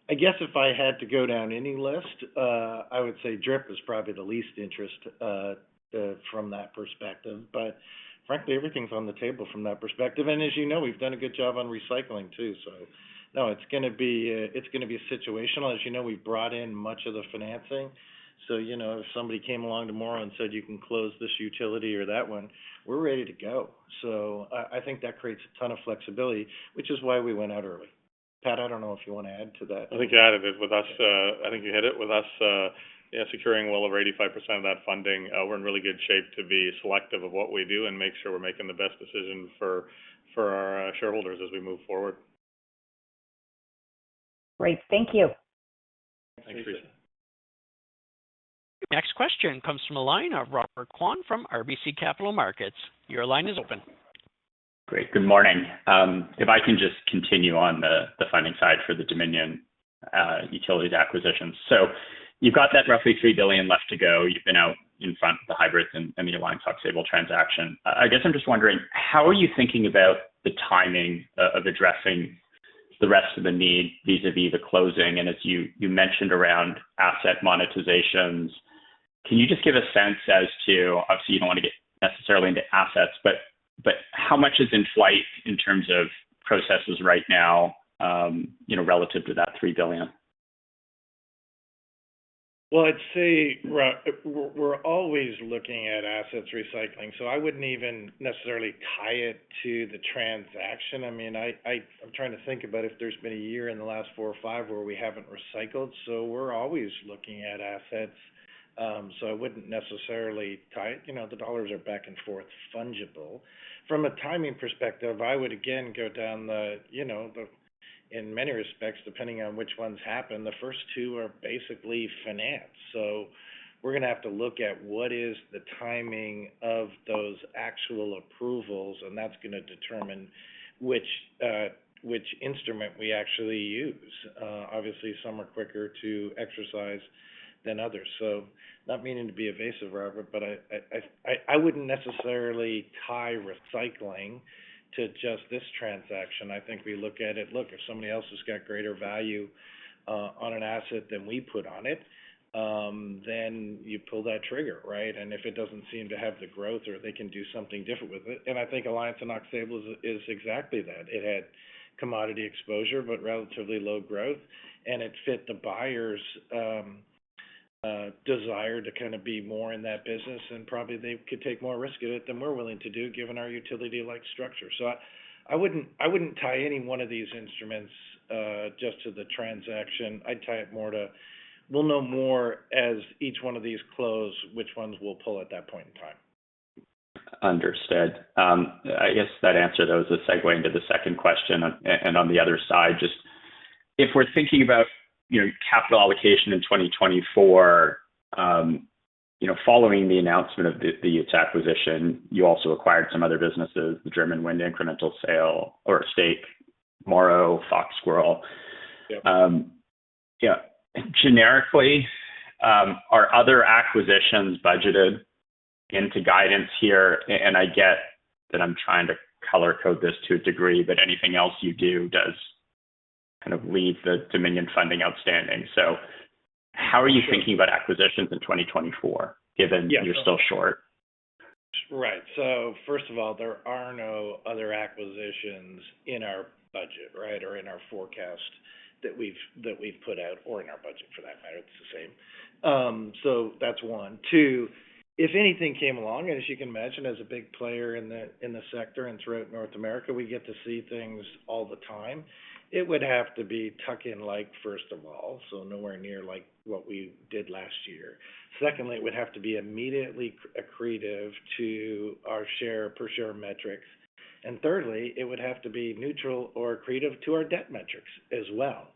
I guess if I had to go down any list, I would say DRIP is probably the least interest from that perspective. But frankly, everything's on the table from that perspective. And as you know, we've done a good job on recycling, too. So no, it's going to be situational. As you know, we've brought in much of the financing, so, you know, if somebody came along tomorrow and said, "You can close this utility or that one," we're ready to go. So I think that creates a ton of flexibility, which is why we went out early. Pat, I don't know if you want to add to that. I think you added it. With us, I think you hit it. With us, you know, securing well over 85% of that funding, we're in really good shape to be selective of what we do and make sure we're making the best decision for our shareholders as we move forward. Great. Thank you. Thanks, Teresa. Next question comes from the line of Robert Kwan from RBC Capital Markets. Your line is open. Great. Good morning. If I can just continue on the funding side for the Dominion Energy utilities acquisition. So you've got that roughly $3 billion left to go. You've been out in front of the hybrids and the Alliance and Aux Sable transaction. I guess I'm just wondering, how are you thinking about the timing of addressing the rest of the need vis-à-vis the closing? And as you mentioned around asset monetizations, can you just give a sense as to... Obviously, you don't want to get necessarily into assets, but how much is in flight in terms of processes right now, you know, relative to that $3 billion? Well, I'd say, Rob, we're always looking at assets recycling, so I wouldn't even necessarily tie it to the transaction. I mean, I'm trying to think about if there's been a year in the last four or five where we haven't recycled, so we're always looking at assets. So I wouldn't necessarily tie it. You know, the dollars are back and forth, fungible. From a timing perspective, I would again go down the, you know, in many respects, depending on which ones happen, the first two are basically finance. So we're going to have to look at what is the timing of those actual approvals, and that's going to determine which instrument we actually use. Obviously, some are quicker to exercise than others. So not meaning to be evasive, Robert, but I wouldn't necessarily tie recycling to just this transaction. I think we look at it: Look, if somebody else has got greater value on an asset than we put on it, then you pull that trigger, right? And if it doesn't seem to have the growth or they can do something different with it... And I think Alliance and Aux Sable is exactly that. It had commodity exposure, but relatively low growth, and it fit the buyer's desire to kind of be more in that business, and probably they could take more risk of it than we're willing to do, given our utility-like structure. So I wouldn't tie any one of these instruments just to the transaction. I'd tie it more to, we'll know more as each one of these close, which ones we'll pull at that point in time. Understood. I guess that answer, though, is a segue into the second question. And on the other side, just if we're thinking about, you know, capital allocation in 2024, you know, following the announcement of the acquisition, you also acquired some other businesses, the German wind incremental sale or stake, Morrow, Fox Squirrel. Yep. Yeah. Generically, are other acquisitions budgeted into guidance here? And I get that I'm trying to color code this to a degree, but anything else you do does kind of leave the Dominion funding outstanding. So how are you thinking about acquisitions in 2024, given- Yeah. You're still short? Right. So first of all, there are no other acquisitions in our budget, right, or in our forecast that we've, that we've put out, or in our budget, for that matter, it's the same. So that's one. Two, if anything came along, and as you can imagine, as a big player in the, in the sector and throughout North America, we get to see things all the time. It would have to be tuck-in like, first of all, so nowhere near like what we did last year. Secondly, it would have to be immediately accretive to our share, per-share metrics. And thirdly, it would have to be neutral or accretive to our debt metrics as well.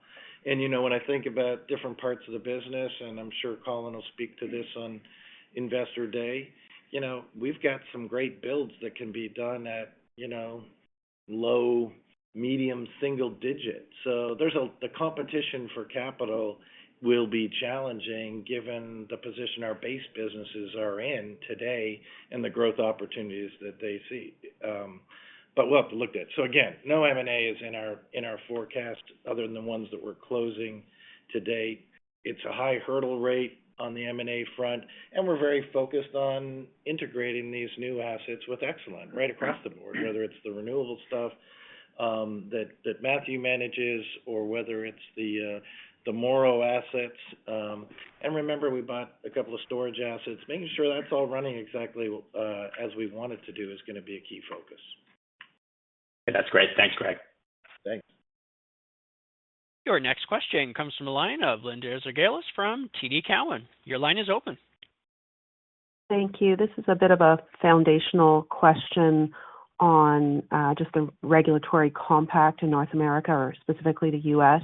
You know, when I think about different parts of the business, and I'm sure Colin will speak to this on Investor Day, you know, we've got some great builds that can be done at, you know, low, medium, single digits. The competition for capital will be challenging given the position our base businesses are in today and the growth opportunities that they see. But we'll have to look at it. So again, no M&A is in our forecast other than the ones that we're closing to date. It's a high hurdle rate on the M&A front, and we're very focused on integrating these new assets with excellence right across the board, whether it's the renewable stuff that Matthew manages, or whether it's the Morrow assets. And remember, we bought a couple of storage assets. Making sure that's all running exactly, as we want it to do is going to be a key focus. That's great. Thanks, Greg. Thanks. Your next question comes from the line of Linda Ezergailis from TD Cowen. Your line is open. Thank you. This is a bit of a foundational question on, just the regulatory compact in North America, or specifically the U.S.,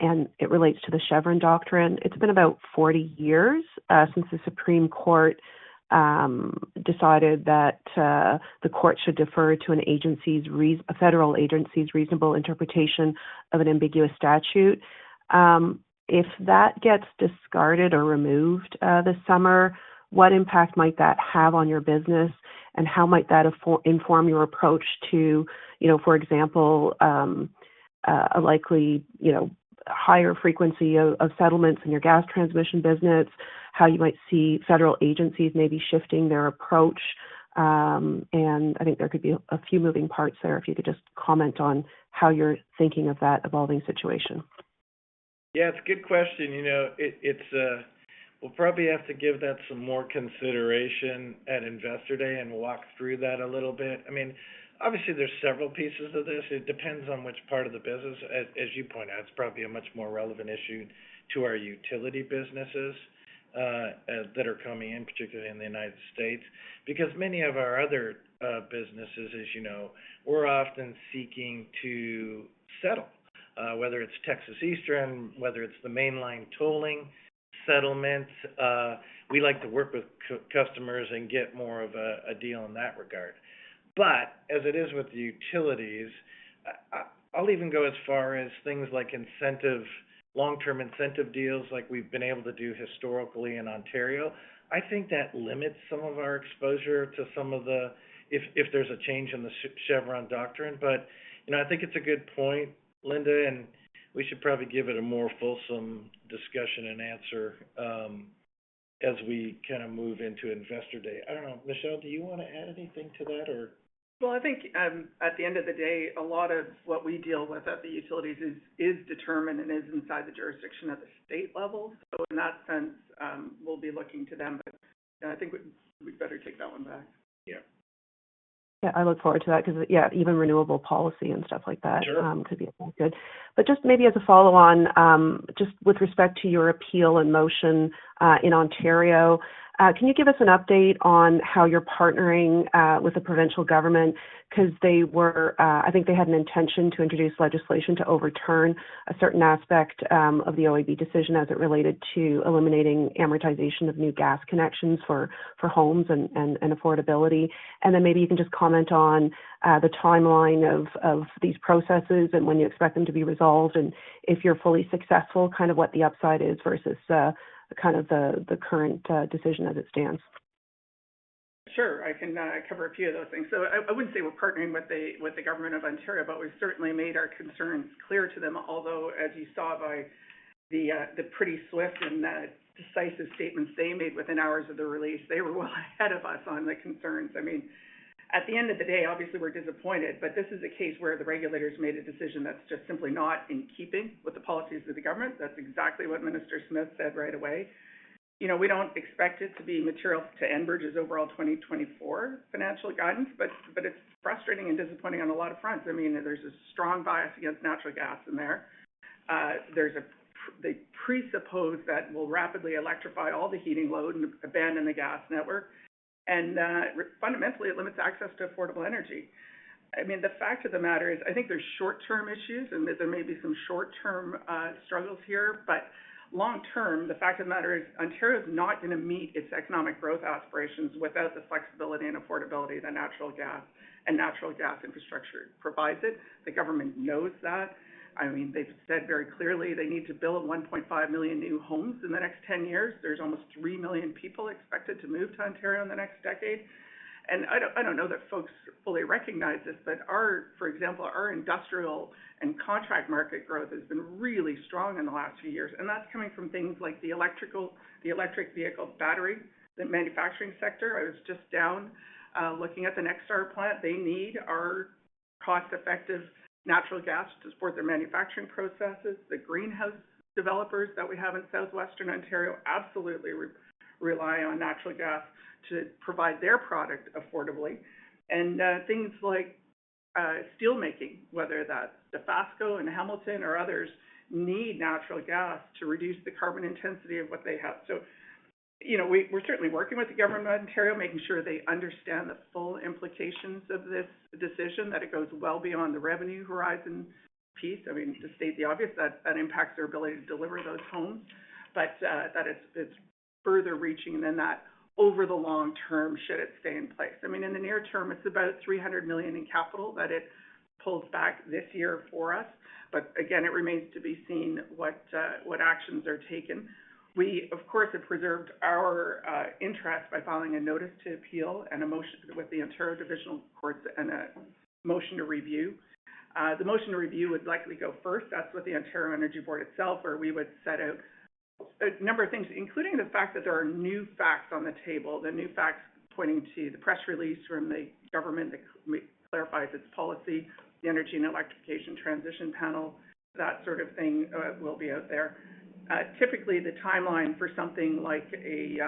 and it relates to the Chevron doctrine. It's been about 40 years, since the Supreme Court, decided that, the court should defer to an agency's a federal agency's reasonable interpretation of an ambiguous statute. If that gets discarded or removed, this summer, what impact might that have on your business? And how might that inform your approach to, you know, for example, a likely, you know, higher frequency of settlements in your gas transmission business, how you might see federal agencies maybe shifting their approach? And I think there could be a few moving parts there, if you could just comment on how you're thinking of that evolving situation. Yeah, it's a good question. You know, it's, we'll probably have to give that some more consideration at Investor Day and walk through that a little bit. I mean, obviously, there's several pieces of this. It depends on which part of the business. As you point out, it's probably a much more relevant issue to our utility businesses that are coming in, particularly in the United States, because many of our other businesses, as you know, we're often seeking to settle, whether it's Texas Eastern, whether it's the Mainline tolling settlement, we like to work with customers and get more of a deal in that regard. But as it is with the utilities, I'll even go as far as things like incentive long-term incentive deals like we've been able to do historically in Ontario. I think that limits some of our exposure to some of the... If there's a change in the Chevron doctrine. But, you know, I think it's a good point, Linda, and we should probably give it a more fulsome discussion and answer, as we kind of move into Investor Day. I don't know. Michele, do you want to add anything to that or? Well, I think, at the end of the day, a lot of what we deal with at the utilities is determined and is inside the jurisdiction of the state level. So in that sense, we'll be looking to them, but I think we better take that one back. Yeah. Yeah, I look forward to that because, yeah, even renewable policy and stuff like that. Sure. Could be good. But just maybe as a follow-on, just with respect to your appeal and motion in Ontario, can you give us an update on how you're partnering with the provincial government? Because they were... I think they had an intention to introduce legislation to overturn a certain aspect of the OEB decision as it related to eliminating amortization of new gas connections for homes and affordability. And then maybe you can just comment on the timeline of these processes and when you expect them to be resolved, and if you're fully successful, kind of what the upside is versus kind of the current decision as it stands. Sure, I can cover a few of those things. So I wouldn't say we're partnering with the government of Ontario, but we've certainly made our concerns clear to them. Although, as you saw by the pretty swift and decisive statements they made within hours of the release, they were well ahead of us on the concerns. I mean, at the end of the day, obviously, we're disappointed, but this is a case where the regulators made a decision that's just simply not in keeping with the policies of the government. That's exactly what Minister Smith said right away. You know, we don't expect it to be material to Enbridge's overall 2024 financial guidance, but it's frustrating and disappointing on a lot of fronts. I mean, there's a strong bias against natural gas in there. They presuppose that we'll rapidly electrify all the heating load and abandon the gas network, and fundamentally, it limits access to affordable energy. I mean, the fact of the matter is, I think there are short-term issues and that there may be some short-term struggles here, but long-term, the fact of the matter is, Ontario is not going to meet its economic growth aspirations without the flexibility and affordability that natural gas and natural gas infrastructure provides it. The government knows that. I mean, they've said very clearly they need to build 1.5 million new homes in the next 10 years. There's almost 3 million people expected to move to Ontario in the next decade. I don't know that folks fully recognize this, but our, for example, our industrial and contract market growth has been really strong in the last few years, and that's coming from things like the electrical, the electric vehicle battery, the manufacturing sector. I was just down looking at the NextStar plant. They need our cost-effective natural gas to support their manufacturing processes. The greenhouse developers that we have in Southwestern Ontario absolutely rely on natural gas to provide their product affordably. Things like steel making, whether that's Dofasco and Hamilton or others, need natural gas to reduce the carbon intensity of what they have. So you know, we're certainly working with the government of Ontario, making sure they understand the full implications of this decision, that it goes well beyond the revenue horizon piece. I mean, to state the obvious, that that impacts their ability to deliver those homes, but, that it's, it's further reaching than that over the long term, should it stay in place. I mean, in the near term, it's about 300 million in capital that it pulls back this year for us. But again, it remains to be seen what, what actions are taken. We, of course, have preserved our, interest by filing a notice to appeal and a motion with the Ontario Divisional Courts and a motion to review. The motion to review would likely go first. That's with the Ontario Energy Board itself, where we would set out a number of things, including the fact that there are new facts on the table, the new facts pointing to the press release from the government that clarifies its policy, the Energy and Electrification Transition Panel, that sort of thing, will be out there. Typically, the timeline for something like a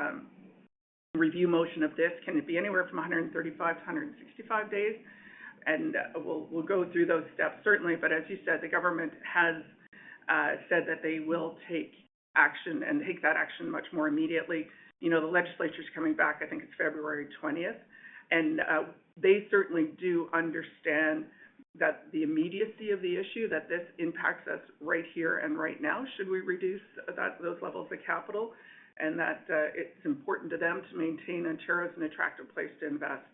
review motion of this, can it be anywhere from 135 to 165 days? We'll go through those steps, certainly. As you said, the government has said that they will take action and take that action much more immediately. You know, the legislature is coming back, I think it's February twentieth, and they certainly do understand that the immediacy of the issue, that this impacts us right here and right now, should we reduce those levels of capital, and that it's important to them to maintain Ontario as an attractive place to invest.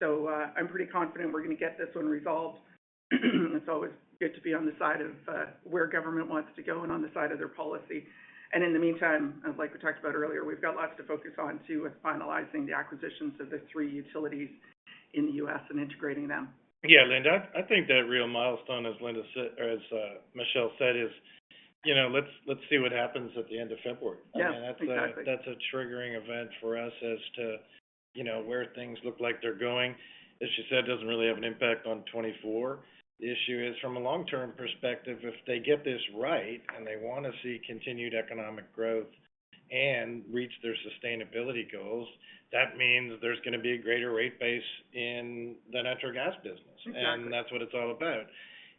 So, I'm pretty confident we're going to get this one resolved. It's always good to be on the side of where government wants to go and on the side of their policy. And in the meantime, as like we talked about earlier, we've got lots to focus on, too, with finalizing the acquisitions of the three utilities in the U.S. and integrating them. Yeah, Linda, I think that real milestone, as Linda said, or as Michele said, is, you know, let's, let's see what happens at the end of February. Yes, exactly. I mean, that's a triggering event for us as to, you know, where things look like they're going. As she said, it doesn't really have an impact on 2024. The issue is from a long-term perspective, if they get this right and they want to see continued economic growth and reach their sustainability goals, that means there's going to be a greater rate base in the natural gas business. Exactly. that's what it's all about.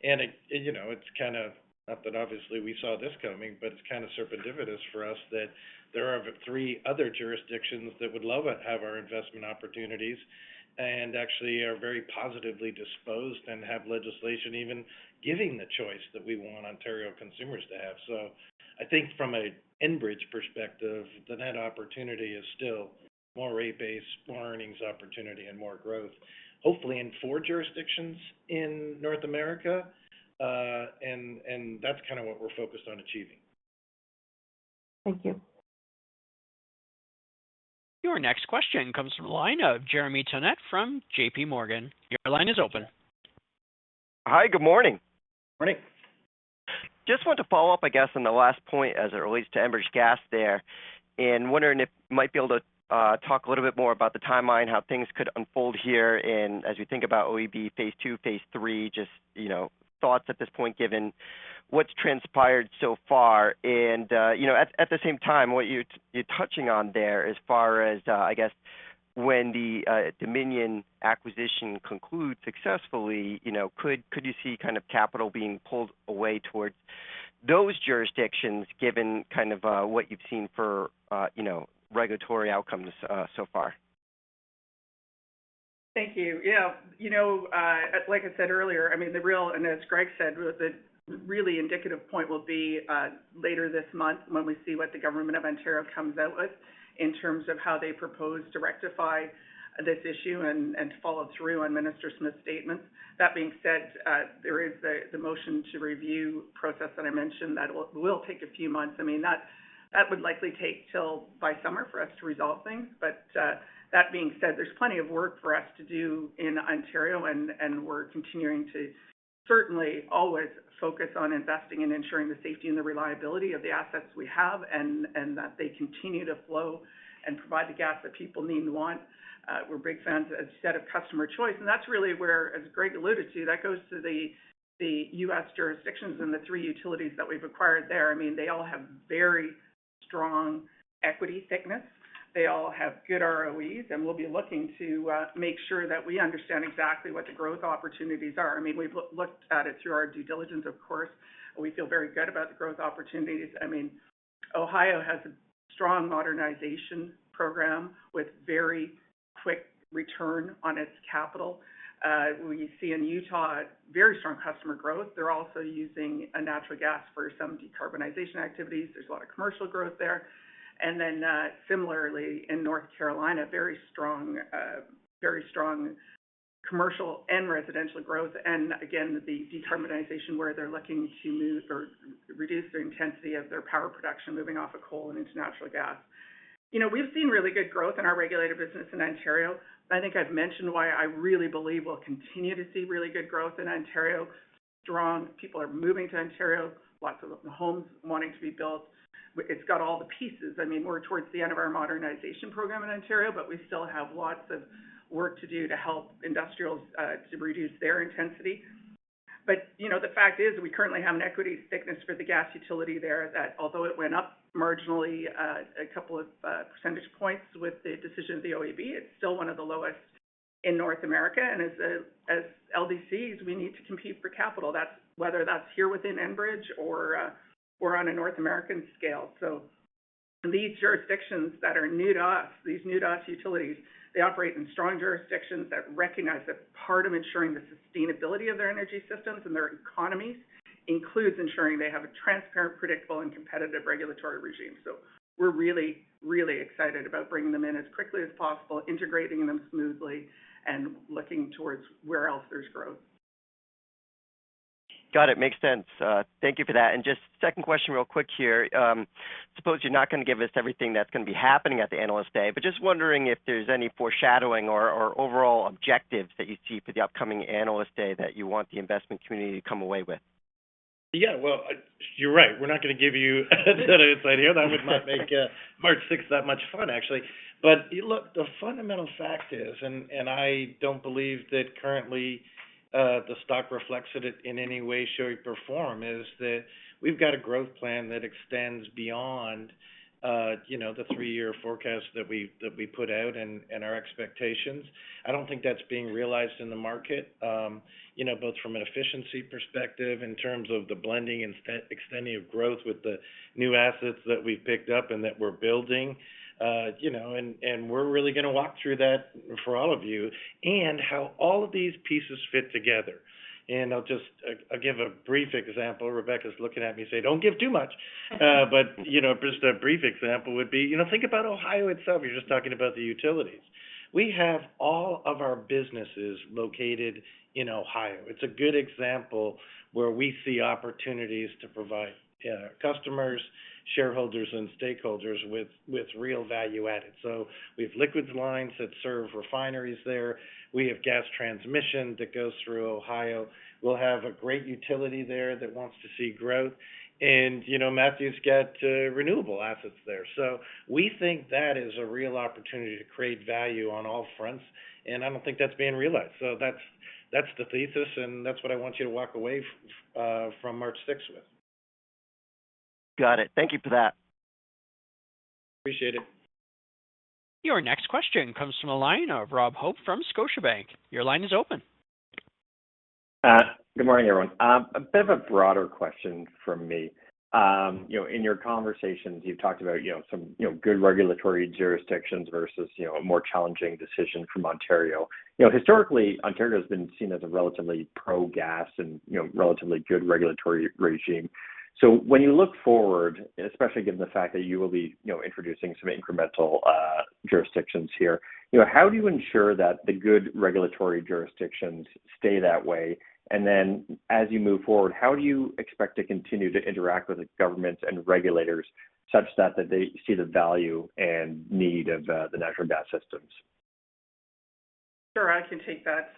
And it, you know, it's kind of, not that obviously we saw this coming, but it's kind of serendipitous for us that there are three other jurisdictions that would love to have our investment opportunities and actually are very positively disposed and have legislation even giving the choice that we want Ontario consumers to have. So I think from an Enbridge perspective, that opportunity is still more rate-based, more earnings opportunity, and more growth, hopefully in four jurisdictions in North America, and that's kind of what we're focused on achieving. Thank you. Your next question comes from the line of Jeremy Tonet from JPMorgan. Your line is open. Hi, good morning. Morning. Just want to follow up, I guess, on the last point as it relates to Enbridge Gas there, and wondering if you might be able to talk a little bit more about the timeline, how things could unfold here in as you think about OEB Phase 2, Phase 3, just, you know, thoughts at this point, given what's transpired so far. And, you know, at the same time, what you're touching on there as far as, I guess when the Dominion acquisition concludes successfully, you know, could you see kind of capital being pulled away towards those jurisdictions, given kind of what you've seen for, you know, regulatory outcomes so far? Thank you. Yeah, you know, like I said earlier, I mean, the real and as Greg said, was the really indicative point will be later this month when we see what the government of Ontario comes out with in terms of how they propose to rectify this issue and to follow through on Minister Smith's statements. That being said, there is the motion to review process that I mentioned that will take a few months. I mean, that would likely take till by summer for us to resolve things. But, that being said, there's plenty of work for us to do in Ontario, and we're continuing to certainly always focus on investing and ensuring the safety and the reliability of the assets we have, and that they continue to flow and provide the gas that people need and want. We're big fans of instead of customer choice, and that's really where, as Greg alluded to, that goes to the U.S. jurisdictions and the three utilities that we've acquired there. I mean, they all have very strong equity thickness. They all have good ROEs, and we'll be looking to make sure that we understand exactly what the growth opportunities are. I mean, we've looked at it through our due diligence, of course, and we feel very good about the growth opportunities. I mean, Ohio has a strong modernization program with very quick return on its capital. We see in Utah very strong customer growth. They're also using natural gas for some decarbonization activities. There's a lot of commercial growth there. And then, similarly in North Carolina, very strong commercial and residential growth. And again, the decarbonization, where they're looking to move or reduce their intensity of their power production, moving off of coal and into natural gas. You know, we've seen really good growth in our regulated business in Ontario. I think I've mentioned why I really believe we'll continue to see really good growth in Ontario. Strong people are moving to Ontario, lots of homes wanting to be built. It's got all the pieces. I mean, we're towards the end of our modernization program in Ontario, but we still have lots of work to do to help industrials to reduce their intensity. But, you know, the fact is, we currently have an equity thickness for the gas utility there that although it went up marginally, a couple of percentage points with the decision of the OEB, it's still one of the lowest in North America. And as LDCs, we need to compete for capital. That's whether that's here within Enbridge or on a North American scale. So these jurisdictions that are new to us, these new to us utilities, they operate in strong jurisdictions that recognize that part of ensuring the sustainability of their energy systems and their economies includes ensuring they have a transparent, predictable, and competitive regulatory regime. So we're really, really excited about bringing them in as quickly as possible, integrating them smoothly, and looking towards where else there's growth. Got it. Makes sense. Thank you for that. And just second question, real quick here. Suppose you're not going to give us everything that's going to be happening at the Analyst Day, but just wondering if there's any foreshadowing or, or overall objectives that you see for the upcoming Analyst Day that you want the investment community to come away with? Yeah, well, you're right. We're not going to give you that inside here. That would not make March sixth that much fun, actually. But look, the fundamental fact is, and I don't believe that currently the stock reflects it in any way, shape, or form, is that we've got a growth plan that extends beyond you know the three-year forecast that we put out and our expectations. I don't think that's being realized in the market you know both from an efficiency perspective in terms of the blending and extending of growth with the new assets that we picked up and that we're building. You know, and we're really going to walk through that for all of you and how all of these pieces fit together. And I'll just, I'll give a brief example. Rebecca's looking at me, saying, "Don't give too much." Uh, but, you know, just a brief example would be, you know, think about Ohio itself. You're just talking about the utilities. We have all of our businesses located in Ohio. It's a good example where we see opportunities to provide, customers, shareholders, and stakeholders with, with real value added. So we have liquids lines that serve refineries there, we have gas transmission that goes through Ohio, we'll have a great utility there that wants to see growth, and, you know, Matthew's got renewable assets there. So we think that is a real opportunity to create value on all fronts, and I don't think that's being realized. So that's, that's the thesis, and that's what I want you to walk away from March sixth with. Got it. Thank you for that. Appreciate it. Your next question comes from the line of Rob Hope from Scotiabank. Your line is open. Good morning, everyone. A bit of a broader question from me. You know, in your conversations, you've talked about, you know, some, you know, good regulatory jurisdictions versus, you know, a more challenging decision from Ontario. You know, historically, Ontario has been seen as a relatively pro-gas and, you know, relatively good regulatory regime. So when you look forward, especially given the fact that you will be, you know, introducing some incremental jurisdictions here, you know, how do you ensure that the good regulatory jurisdictions stay that way? And then as you move forward, how do you expect to continue to interact with the governments and regulators such that they see the value and need of the natural gas systems? Sure, I can take that.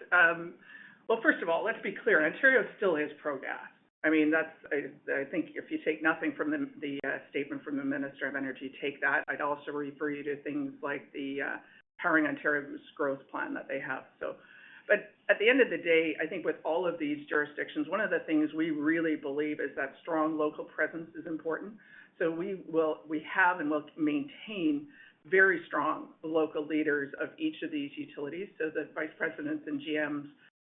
Well, first of all, let's be clear: Ontario still is pro-gas. I mean, that's... I think if you take nothing from the statement from the Minister of Energy, take that. I'd also refer you to things like the Powering Ontario's Growth plan that they have. So, but at the end of the day, I think with all of these jurisdictions, one of the things we really believe is that strong local presence is important. So we have and will maintain very strong local leaders of each of these utilities. So the vice presidents and GMs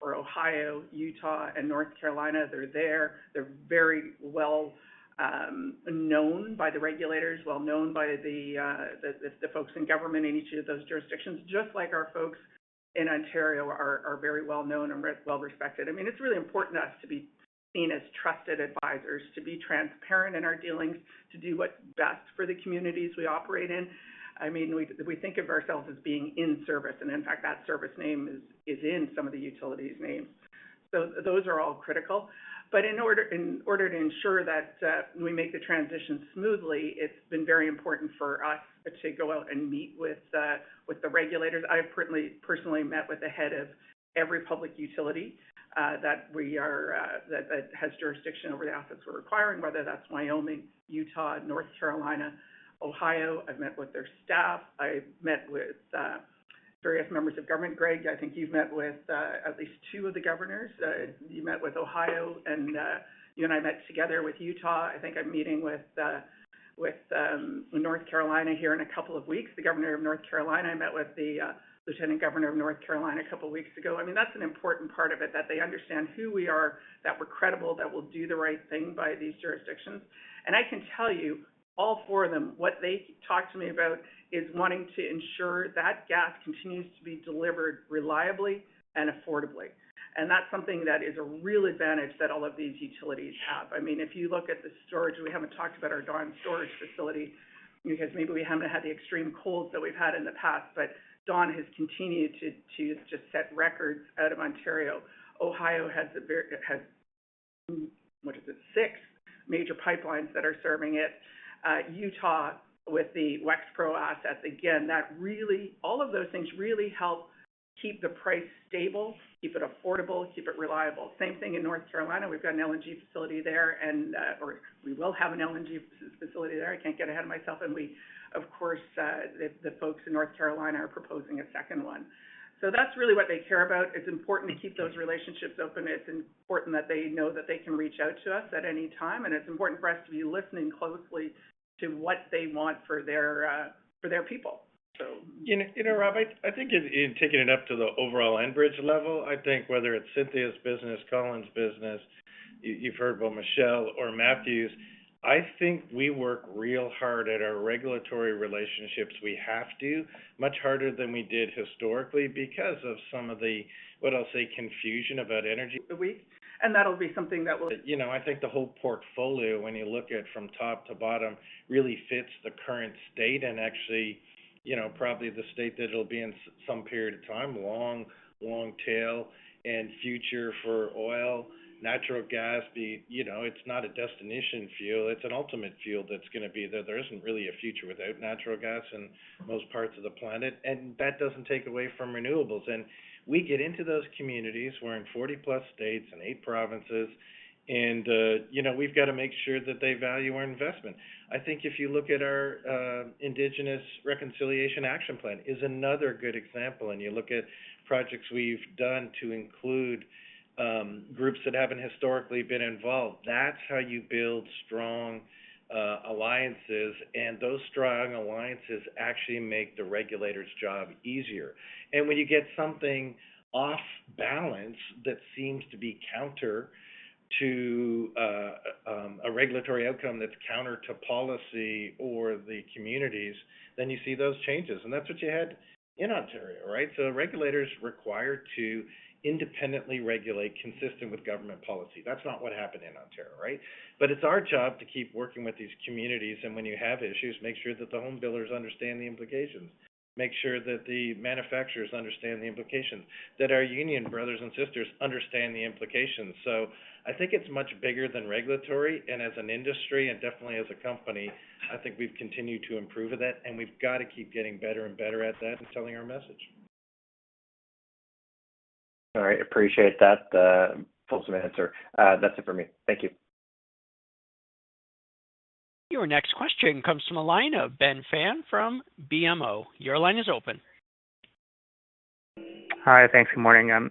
for Ohio, Utah, and North Carolina, they're there. They're very well known by the regulators, well known by the folks in government in each of those jurisdictions, just like our folks in Ontario are very well known and well-respected. I mean, it's really important to us to be seen as trusted advisors, to be transparent in our dealings, to do what's best for the communities we operate in. I mean, we think of ourselves as being in service, and in fact, that service name is in some of the utilities names. So those are all critical. But in order to ensure that we make the transition smoothly, it's been very important for us to go out and meet with the regulators. I've personally, personally met with the head of every public utility that has jurisdiction over the assets we're acquiring, whether that's Wyoming, Utah, North Carolina, Ohio. I've met with their staff, I've met with various members of government. Greg, I think you've met with at least two of the governors. You met with Ohio, and you and I met together with Utah. I think I'm meeting with North Carolina here in a couple of weeks, the governor of North Carolina. I met with the lieutenant governor of North Carolina a couple of weeks ago. I mean, that's an important part of it, that they understand who we are, that we're credible, that we'll do the right thing by these jurisdictions. I can tell you, all four of them, what they talked to me about is wanting to ensure that gas continues to be delivered reliably and affordably. That's something that is a real advantage that all of these utilities have. I mean, if you look at the storage, we haven't talked about our Dawn storage facility because maybe we haven't had the extreme colds that we've had in the past, but Dawn has continued to just set records out of Ontario. Ohio has it has, what is it? 6 major pipelines that are serving it. Utah, with the Wexpro assets, again, that really... All of those things really help keep the price stable, keep it affordable, keep it reliable. Same thing in North Carolina. We've got an LNG facility there, and, or we will have an LNG facility there. I can't get ahead of myself, and we, of course, the folks in North Carolina are proposing a second one. So that's really what they care about. It's important to keep those relationships open, it's important that they know that they can reach out to us at any time, and it's important for us to be listening closely to what they want for their people. So- You know, Rob, I think in taking it up to the overall Enbridge level, I think whether it's Cynthia's business, Colin's business, you've heard about Michele's or Matthew's, I think we work real hard at our regulatory relationships. We have to, much harder than we did historically because of some of the, what I'll say, confusion about energy-... the week, and that'll be something that will- You know, I think the whole portfolio, when you look at from top to bottom, really fits the current state and actually, you know, probably the state that it'll be in some period of time, long, long tail and future for oil, natural gas, the, you know, it's not a destination fuel, it's an ultimate fuel that's gonna be there. There isn't really a future without natural gas in most parts of the planet, and that doesn't take away from renewables. And we get into those communities. We're in 40-plus states and eight provinces, and, you know, we've got to make sure that they value our investment. I think if you look at our, Indigenous Reconciliation Action Plan is another good example. And you look at projects we've done to include groups that haven't historically been involved, that's how you build strong alliances, and those strong alliances actually make the regulator's job easier. And when you get something off balance that seems to be counter to a regulatory outcome that's counter to policy or the communities, then you see those changes. And that's what you had in Ontario, right? So the regulator's required to independently regulate, consistent with government policy. That's not what happened in Ontario, right? But it's our job to keep working with these communities, and when you have issues, make sure that the home builders understand the implications, make sure that the manufacturers understand the implications, that our union brothers and sisters understand the implications. I think it's much bigger than regulatory, and as an industry and definitely as a company, I think we've continued to improve at that, and we've got to keep getting better and better at that and telling our message. All right. Appreciate that, fulsome answer. That's it for me. Thank you. Your next question comes from a line of Ben Pham from BMO. Your line is open. Hi. Thanks. Good morning.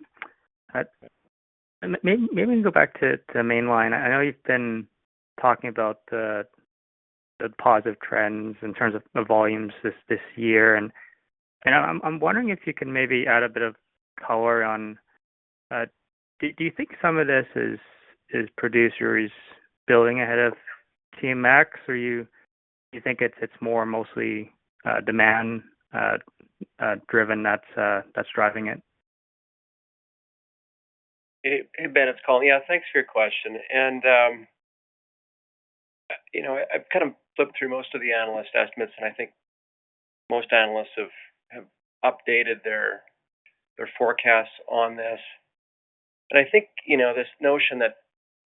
Maybe we can go back to Mainline. I know you've been talking about the positive trends in terms of the volumes this year, and I'm wondering if you can maybe add a bit of color on... Do you think some of this is producers building ahead of TMX, or you think it's more mostly demand driven that's driving it? Hey, hey, Ben, it's Colin. Yeah, thanks for your question. And, you know, I've kind of flipped through most of the analyst estimates, and I think most analysts have updated their forecasts on this. But I think, you know, this notion that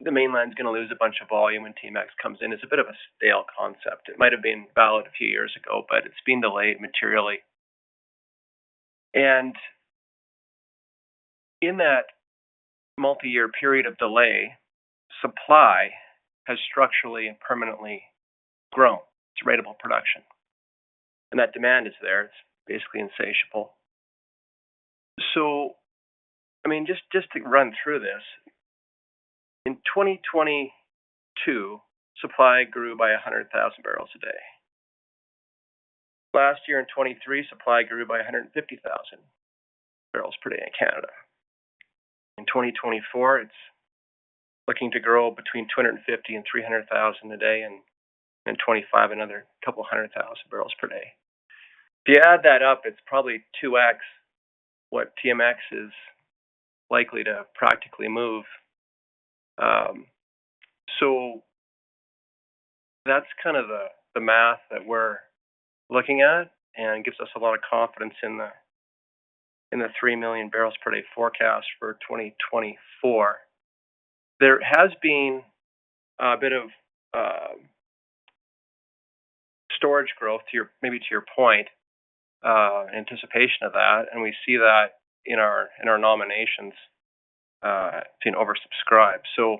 the Mainline is gonna lose a bunch of volume when TMX comes in is a bit of a stale concept. It might have been valid a few years ago, but it's been delayed materially. And in that multi-year period of delay, supply has structurally and permanently grown. It's ratable production, and that demand is there. It's basically insatiable. So, I mean, just to run through this, in 2022, supply grew by 100,000 barrels a day. Last year, in 2023, supply grew by 150,000 barrels per day in Canada. In 2024, it's looking to grow between 250,000-300,000 a day, and in 2025, another couple 100,000 barrels per day. If you add that up, it's probably 2x what TMX is likely to practically move. So that's kind of the math that we're looking at and gives us a lot of confidence in the 3 million barrels per day forecast for 2024. There has been a bit of storage growth to your point, maybe anticipation of that, and we see that in our nominations, it's been oversubscribed. So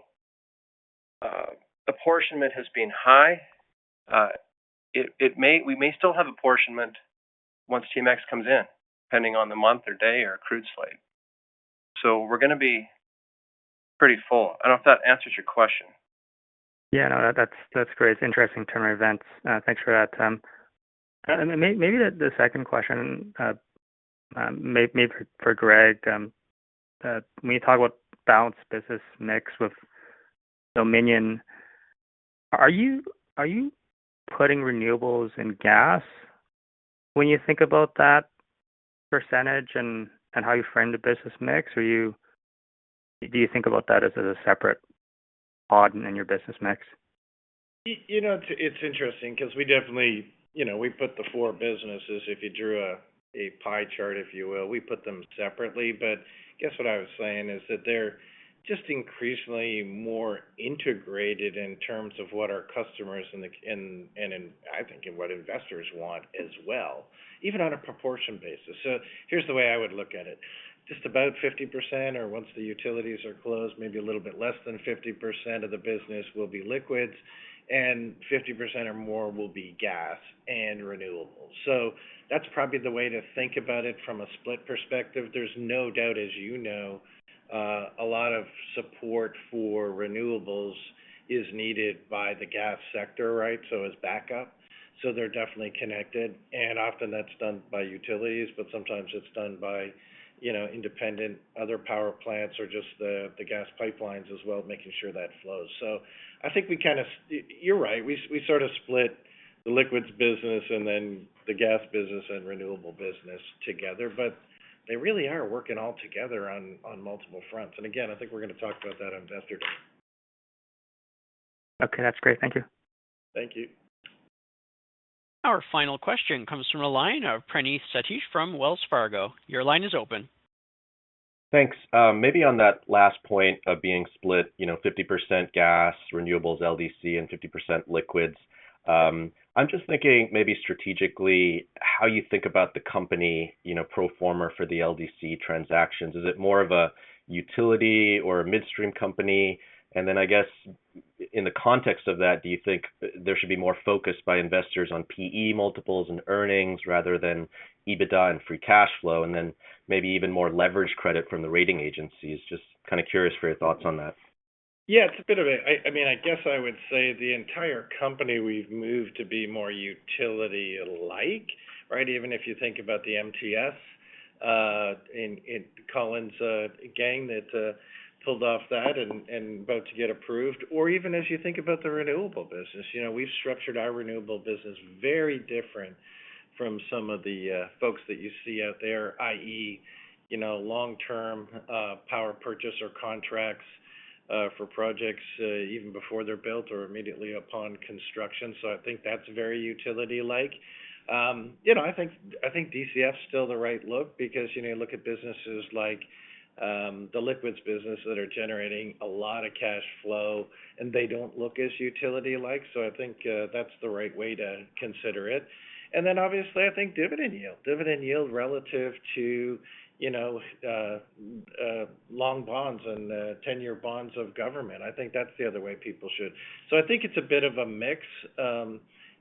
apportionment has been high. We may still have apportionment once TMX comes in, depending on the month or day or crude slate. So we're gonna be pretty full. I don't know if that answers your question. Yeah, no, that's great. It's interesting turn of events. Thanks for that. And maybe the second question, maybe for Greg. When you talk about balanced business mix with Dominion, are you putting renewables and gas when you think about that percentage and how you frame the business mix, or do you think about that as a separate pod in your business mix? You know, it's interesting because we definitely, you know, we put the four businesses, if you drew a pie chart, if you will, we put them separately. But I guess what I was saying is that they're just increasingly more integrated in terms of what our customers and the, and I think, and what investors want as well, even on a proportion basis. So here's the way I would look at it. Just about 50%, or once the utilities are closed, maybe a little bit less than 50% of the business will be liquids, and 50% or more will be gas and renewables. So that's probably the way to think about it from a split perspective. There's no doubt, as you know, a lot of support for renewables is needed by the gas sector, right? So as backup. So they're definitely connected, and often that's done by utilities, but sometimes it's done by, you know, independent other power plants or just the gas pipelines as well, making sure that flows. So I think we kind of... You're right. We, we sort of split the liquids business and then the gas business and renewable business together, but they really are working all together on, on multiple fronts. And again, I think we're gonna talk about that on Investor Day.... Okay, that's great. Thank you. Thank you. Our final question comes from the line of Praneeth Satish from Wells Fargo. Your line is open. Thanks. Maybe on that last point of being split, you know, 50% gas, renewables, LDC, and 50% liquids. I'm just thinking maybe strategically, how you think about the company, you know, pro forma for the LDC transactions. Is it more of a utility or a midstream company? And then I guess in the context of that, do you think there should be more focus by investors on P/E multiples and earnings rather than EBITDA and free cash flow, and then maybe even more leverage credit from the rating agencies? Just kind of curious for your thoughts on that. Yeah, it's a bit of it. I mean, I guess I would say the entire company, we've moved to be more utility-like, right? Even if you think about the MTF in Colin's gang that pulled off that and about to get approved, or even as you think about the renewable business. You know, we've structured our renewable business very different from some of the folks that you see out there, i.e., you know, long-term power purchase or contracts for projects even before they're built or immediately upon construction. So I think that's very utility-like. You know, I think, I think DCF is still the right look because, you know, you look at businesses like, the liquids business that are generating a lot of cash flow, and they don't look as utility-like, so I think, that's the right way to consider it. And then obviously, I think dividend yield. Dividend yield relative to, you know, long bonds and, 10-year bonds of government. I think that's the other way people should... So I think it's a bit of a mix.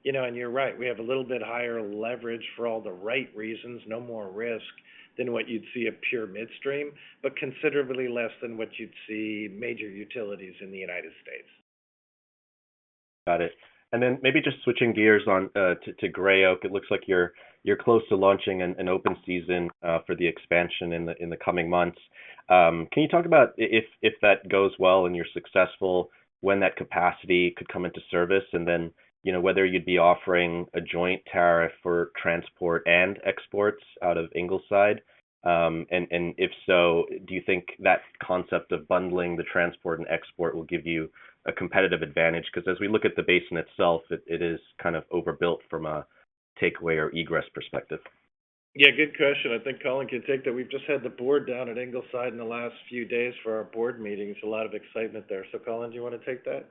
You know, and you're right, we have a little bit higher leverage for all the right reasons. No more risk than what you'd see a pure midstream, but considerably less than what you'd see major utilities in the United States. Got it. And then maybe just switching gears on to Gray Oak, it looks like you're close to launching an open season for the expansion in the coming months. Can you talk about if that goes well and you're successful, when that capacity could come into service? And then, you know, whether you'd be offering a joint tariff for transport and exports out of Ingleside. And if so, do you think that concept of bundling the transport and export will give you a competitive advantage? Because as we look at the basin itself, it is kind of overbuilt from a takeaway or egress perspective. Yeah, good question. I think Colin can take that. We've just had the board down at Ingleside in the last few days for our board meeting. There's a lot of excitement there. So, Colin, do you want to take that?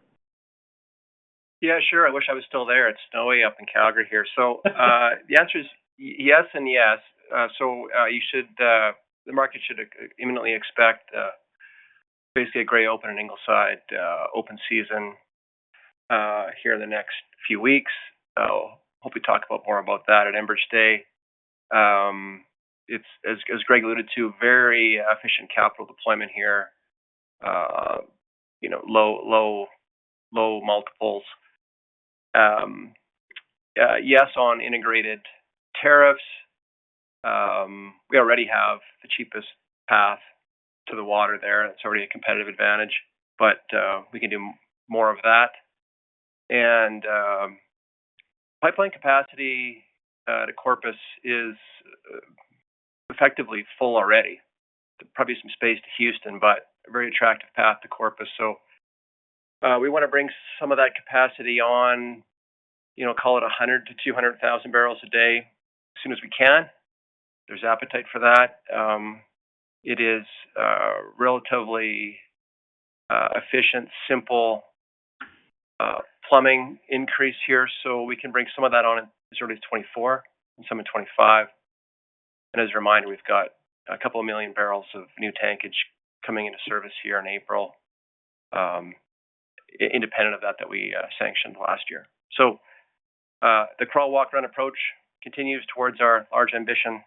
Yeah, sure. I wish I was still there. It's snowy up in Calgary here. So, the answer is yes and yes. So, the market should imminently expect basically a Gray Oak and Ingleside open season here in the next few weeks. So hope we talk about more about that at Enbridge Day. It's, as Greg alluded to, very efficient capital deployment here. You know, low, low, low multiples. Yes, on integrated tariffs. We already have the cheapest path to the water there. It's already a competitive advantage, but we can do more of that. And pipeline capacity to Corpus is effectively full already. Probably some space to Houston, but a very attractive path to Corpus. So, we want to bring some of that capacity on, you know, call it 100-200,000 barrels a day, as soon as we can. There's appetite for that. It is, relatively, efficient, simple, plumbing increase here, so we can bring some of that on in sort of 2024 and some in 2025. And as a reminder, we've got a couple of million barrels of new tankage coming into service here in April, independent of that, that we sanctioned last year. So, the crawl, walk, run approach continues towards our large ambition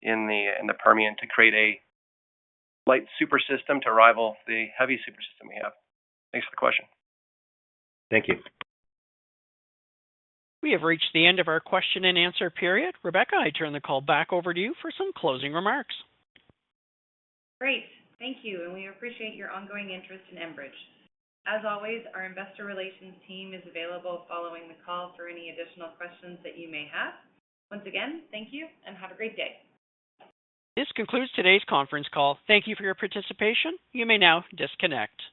in the, in the Permian to create a light super system to rival the heavy super system we have. Thanks for the question. Thank you. We have reached the end of our question and answer period. Rebecca, I turn the call back over to you for some closing remarks. Great. Thank you, and we appreciate your ongoing interest in Enbridge. As always, our investor relations team is available following the call for any additional questions that you may have. Once again, thank you, and have a great day. This concludes today's conference call. Thank you for your participation. You may now disconnect.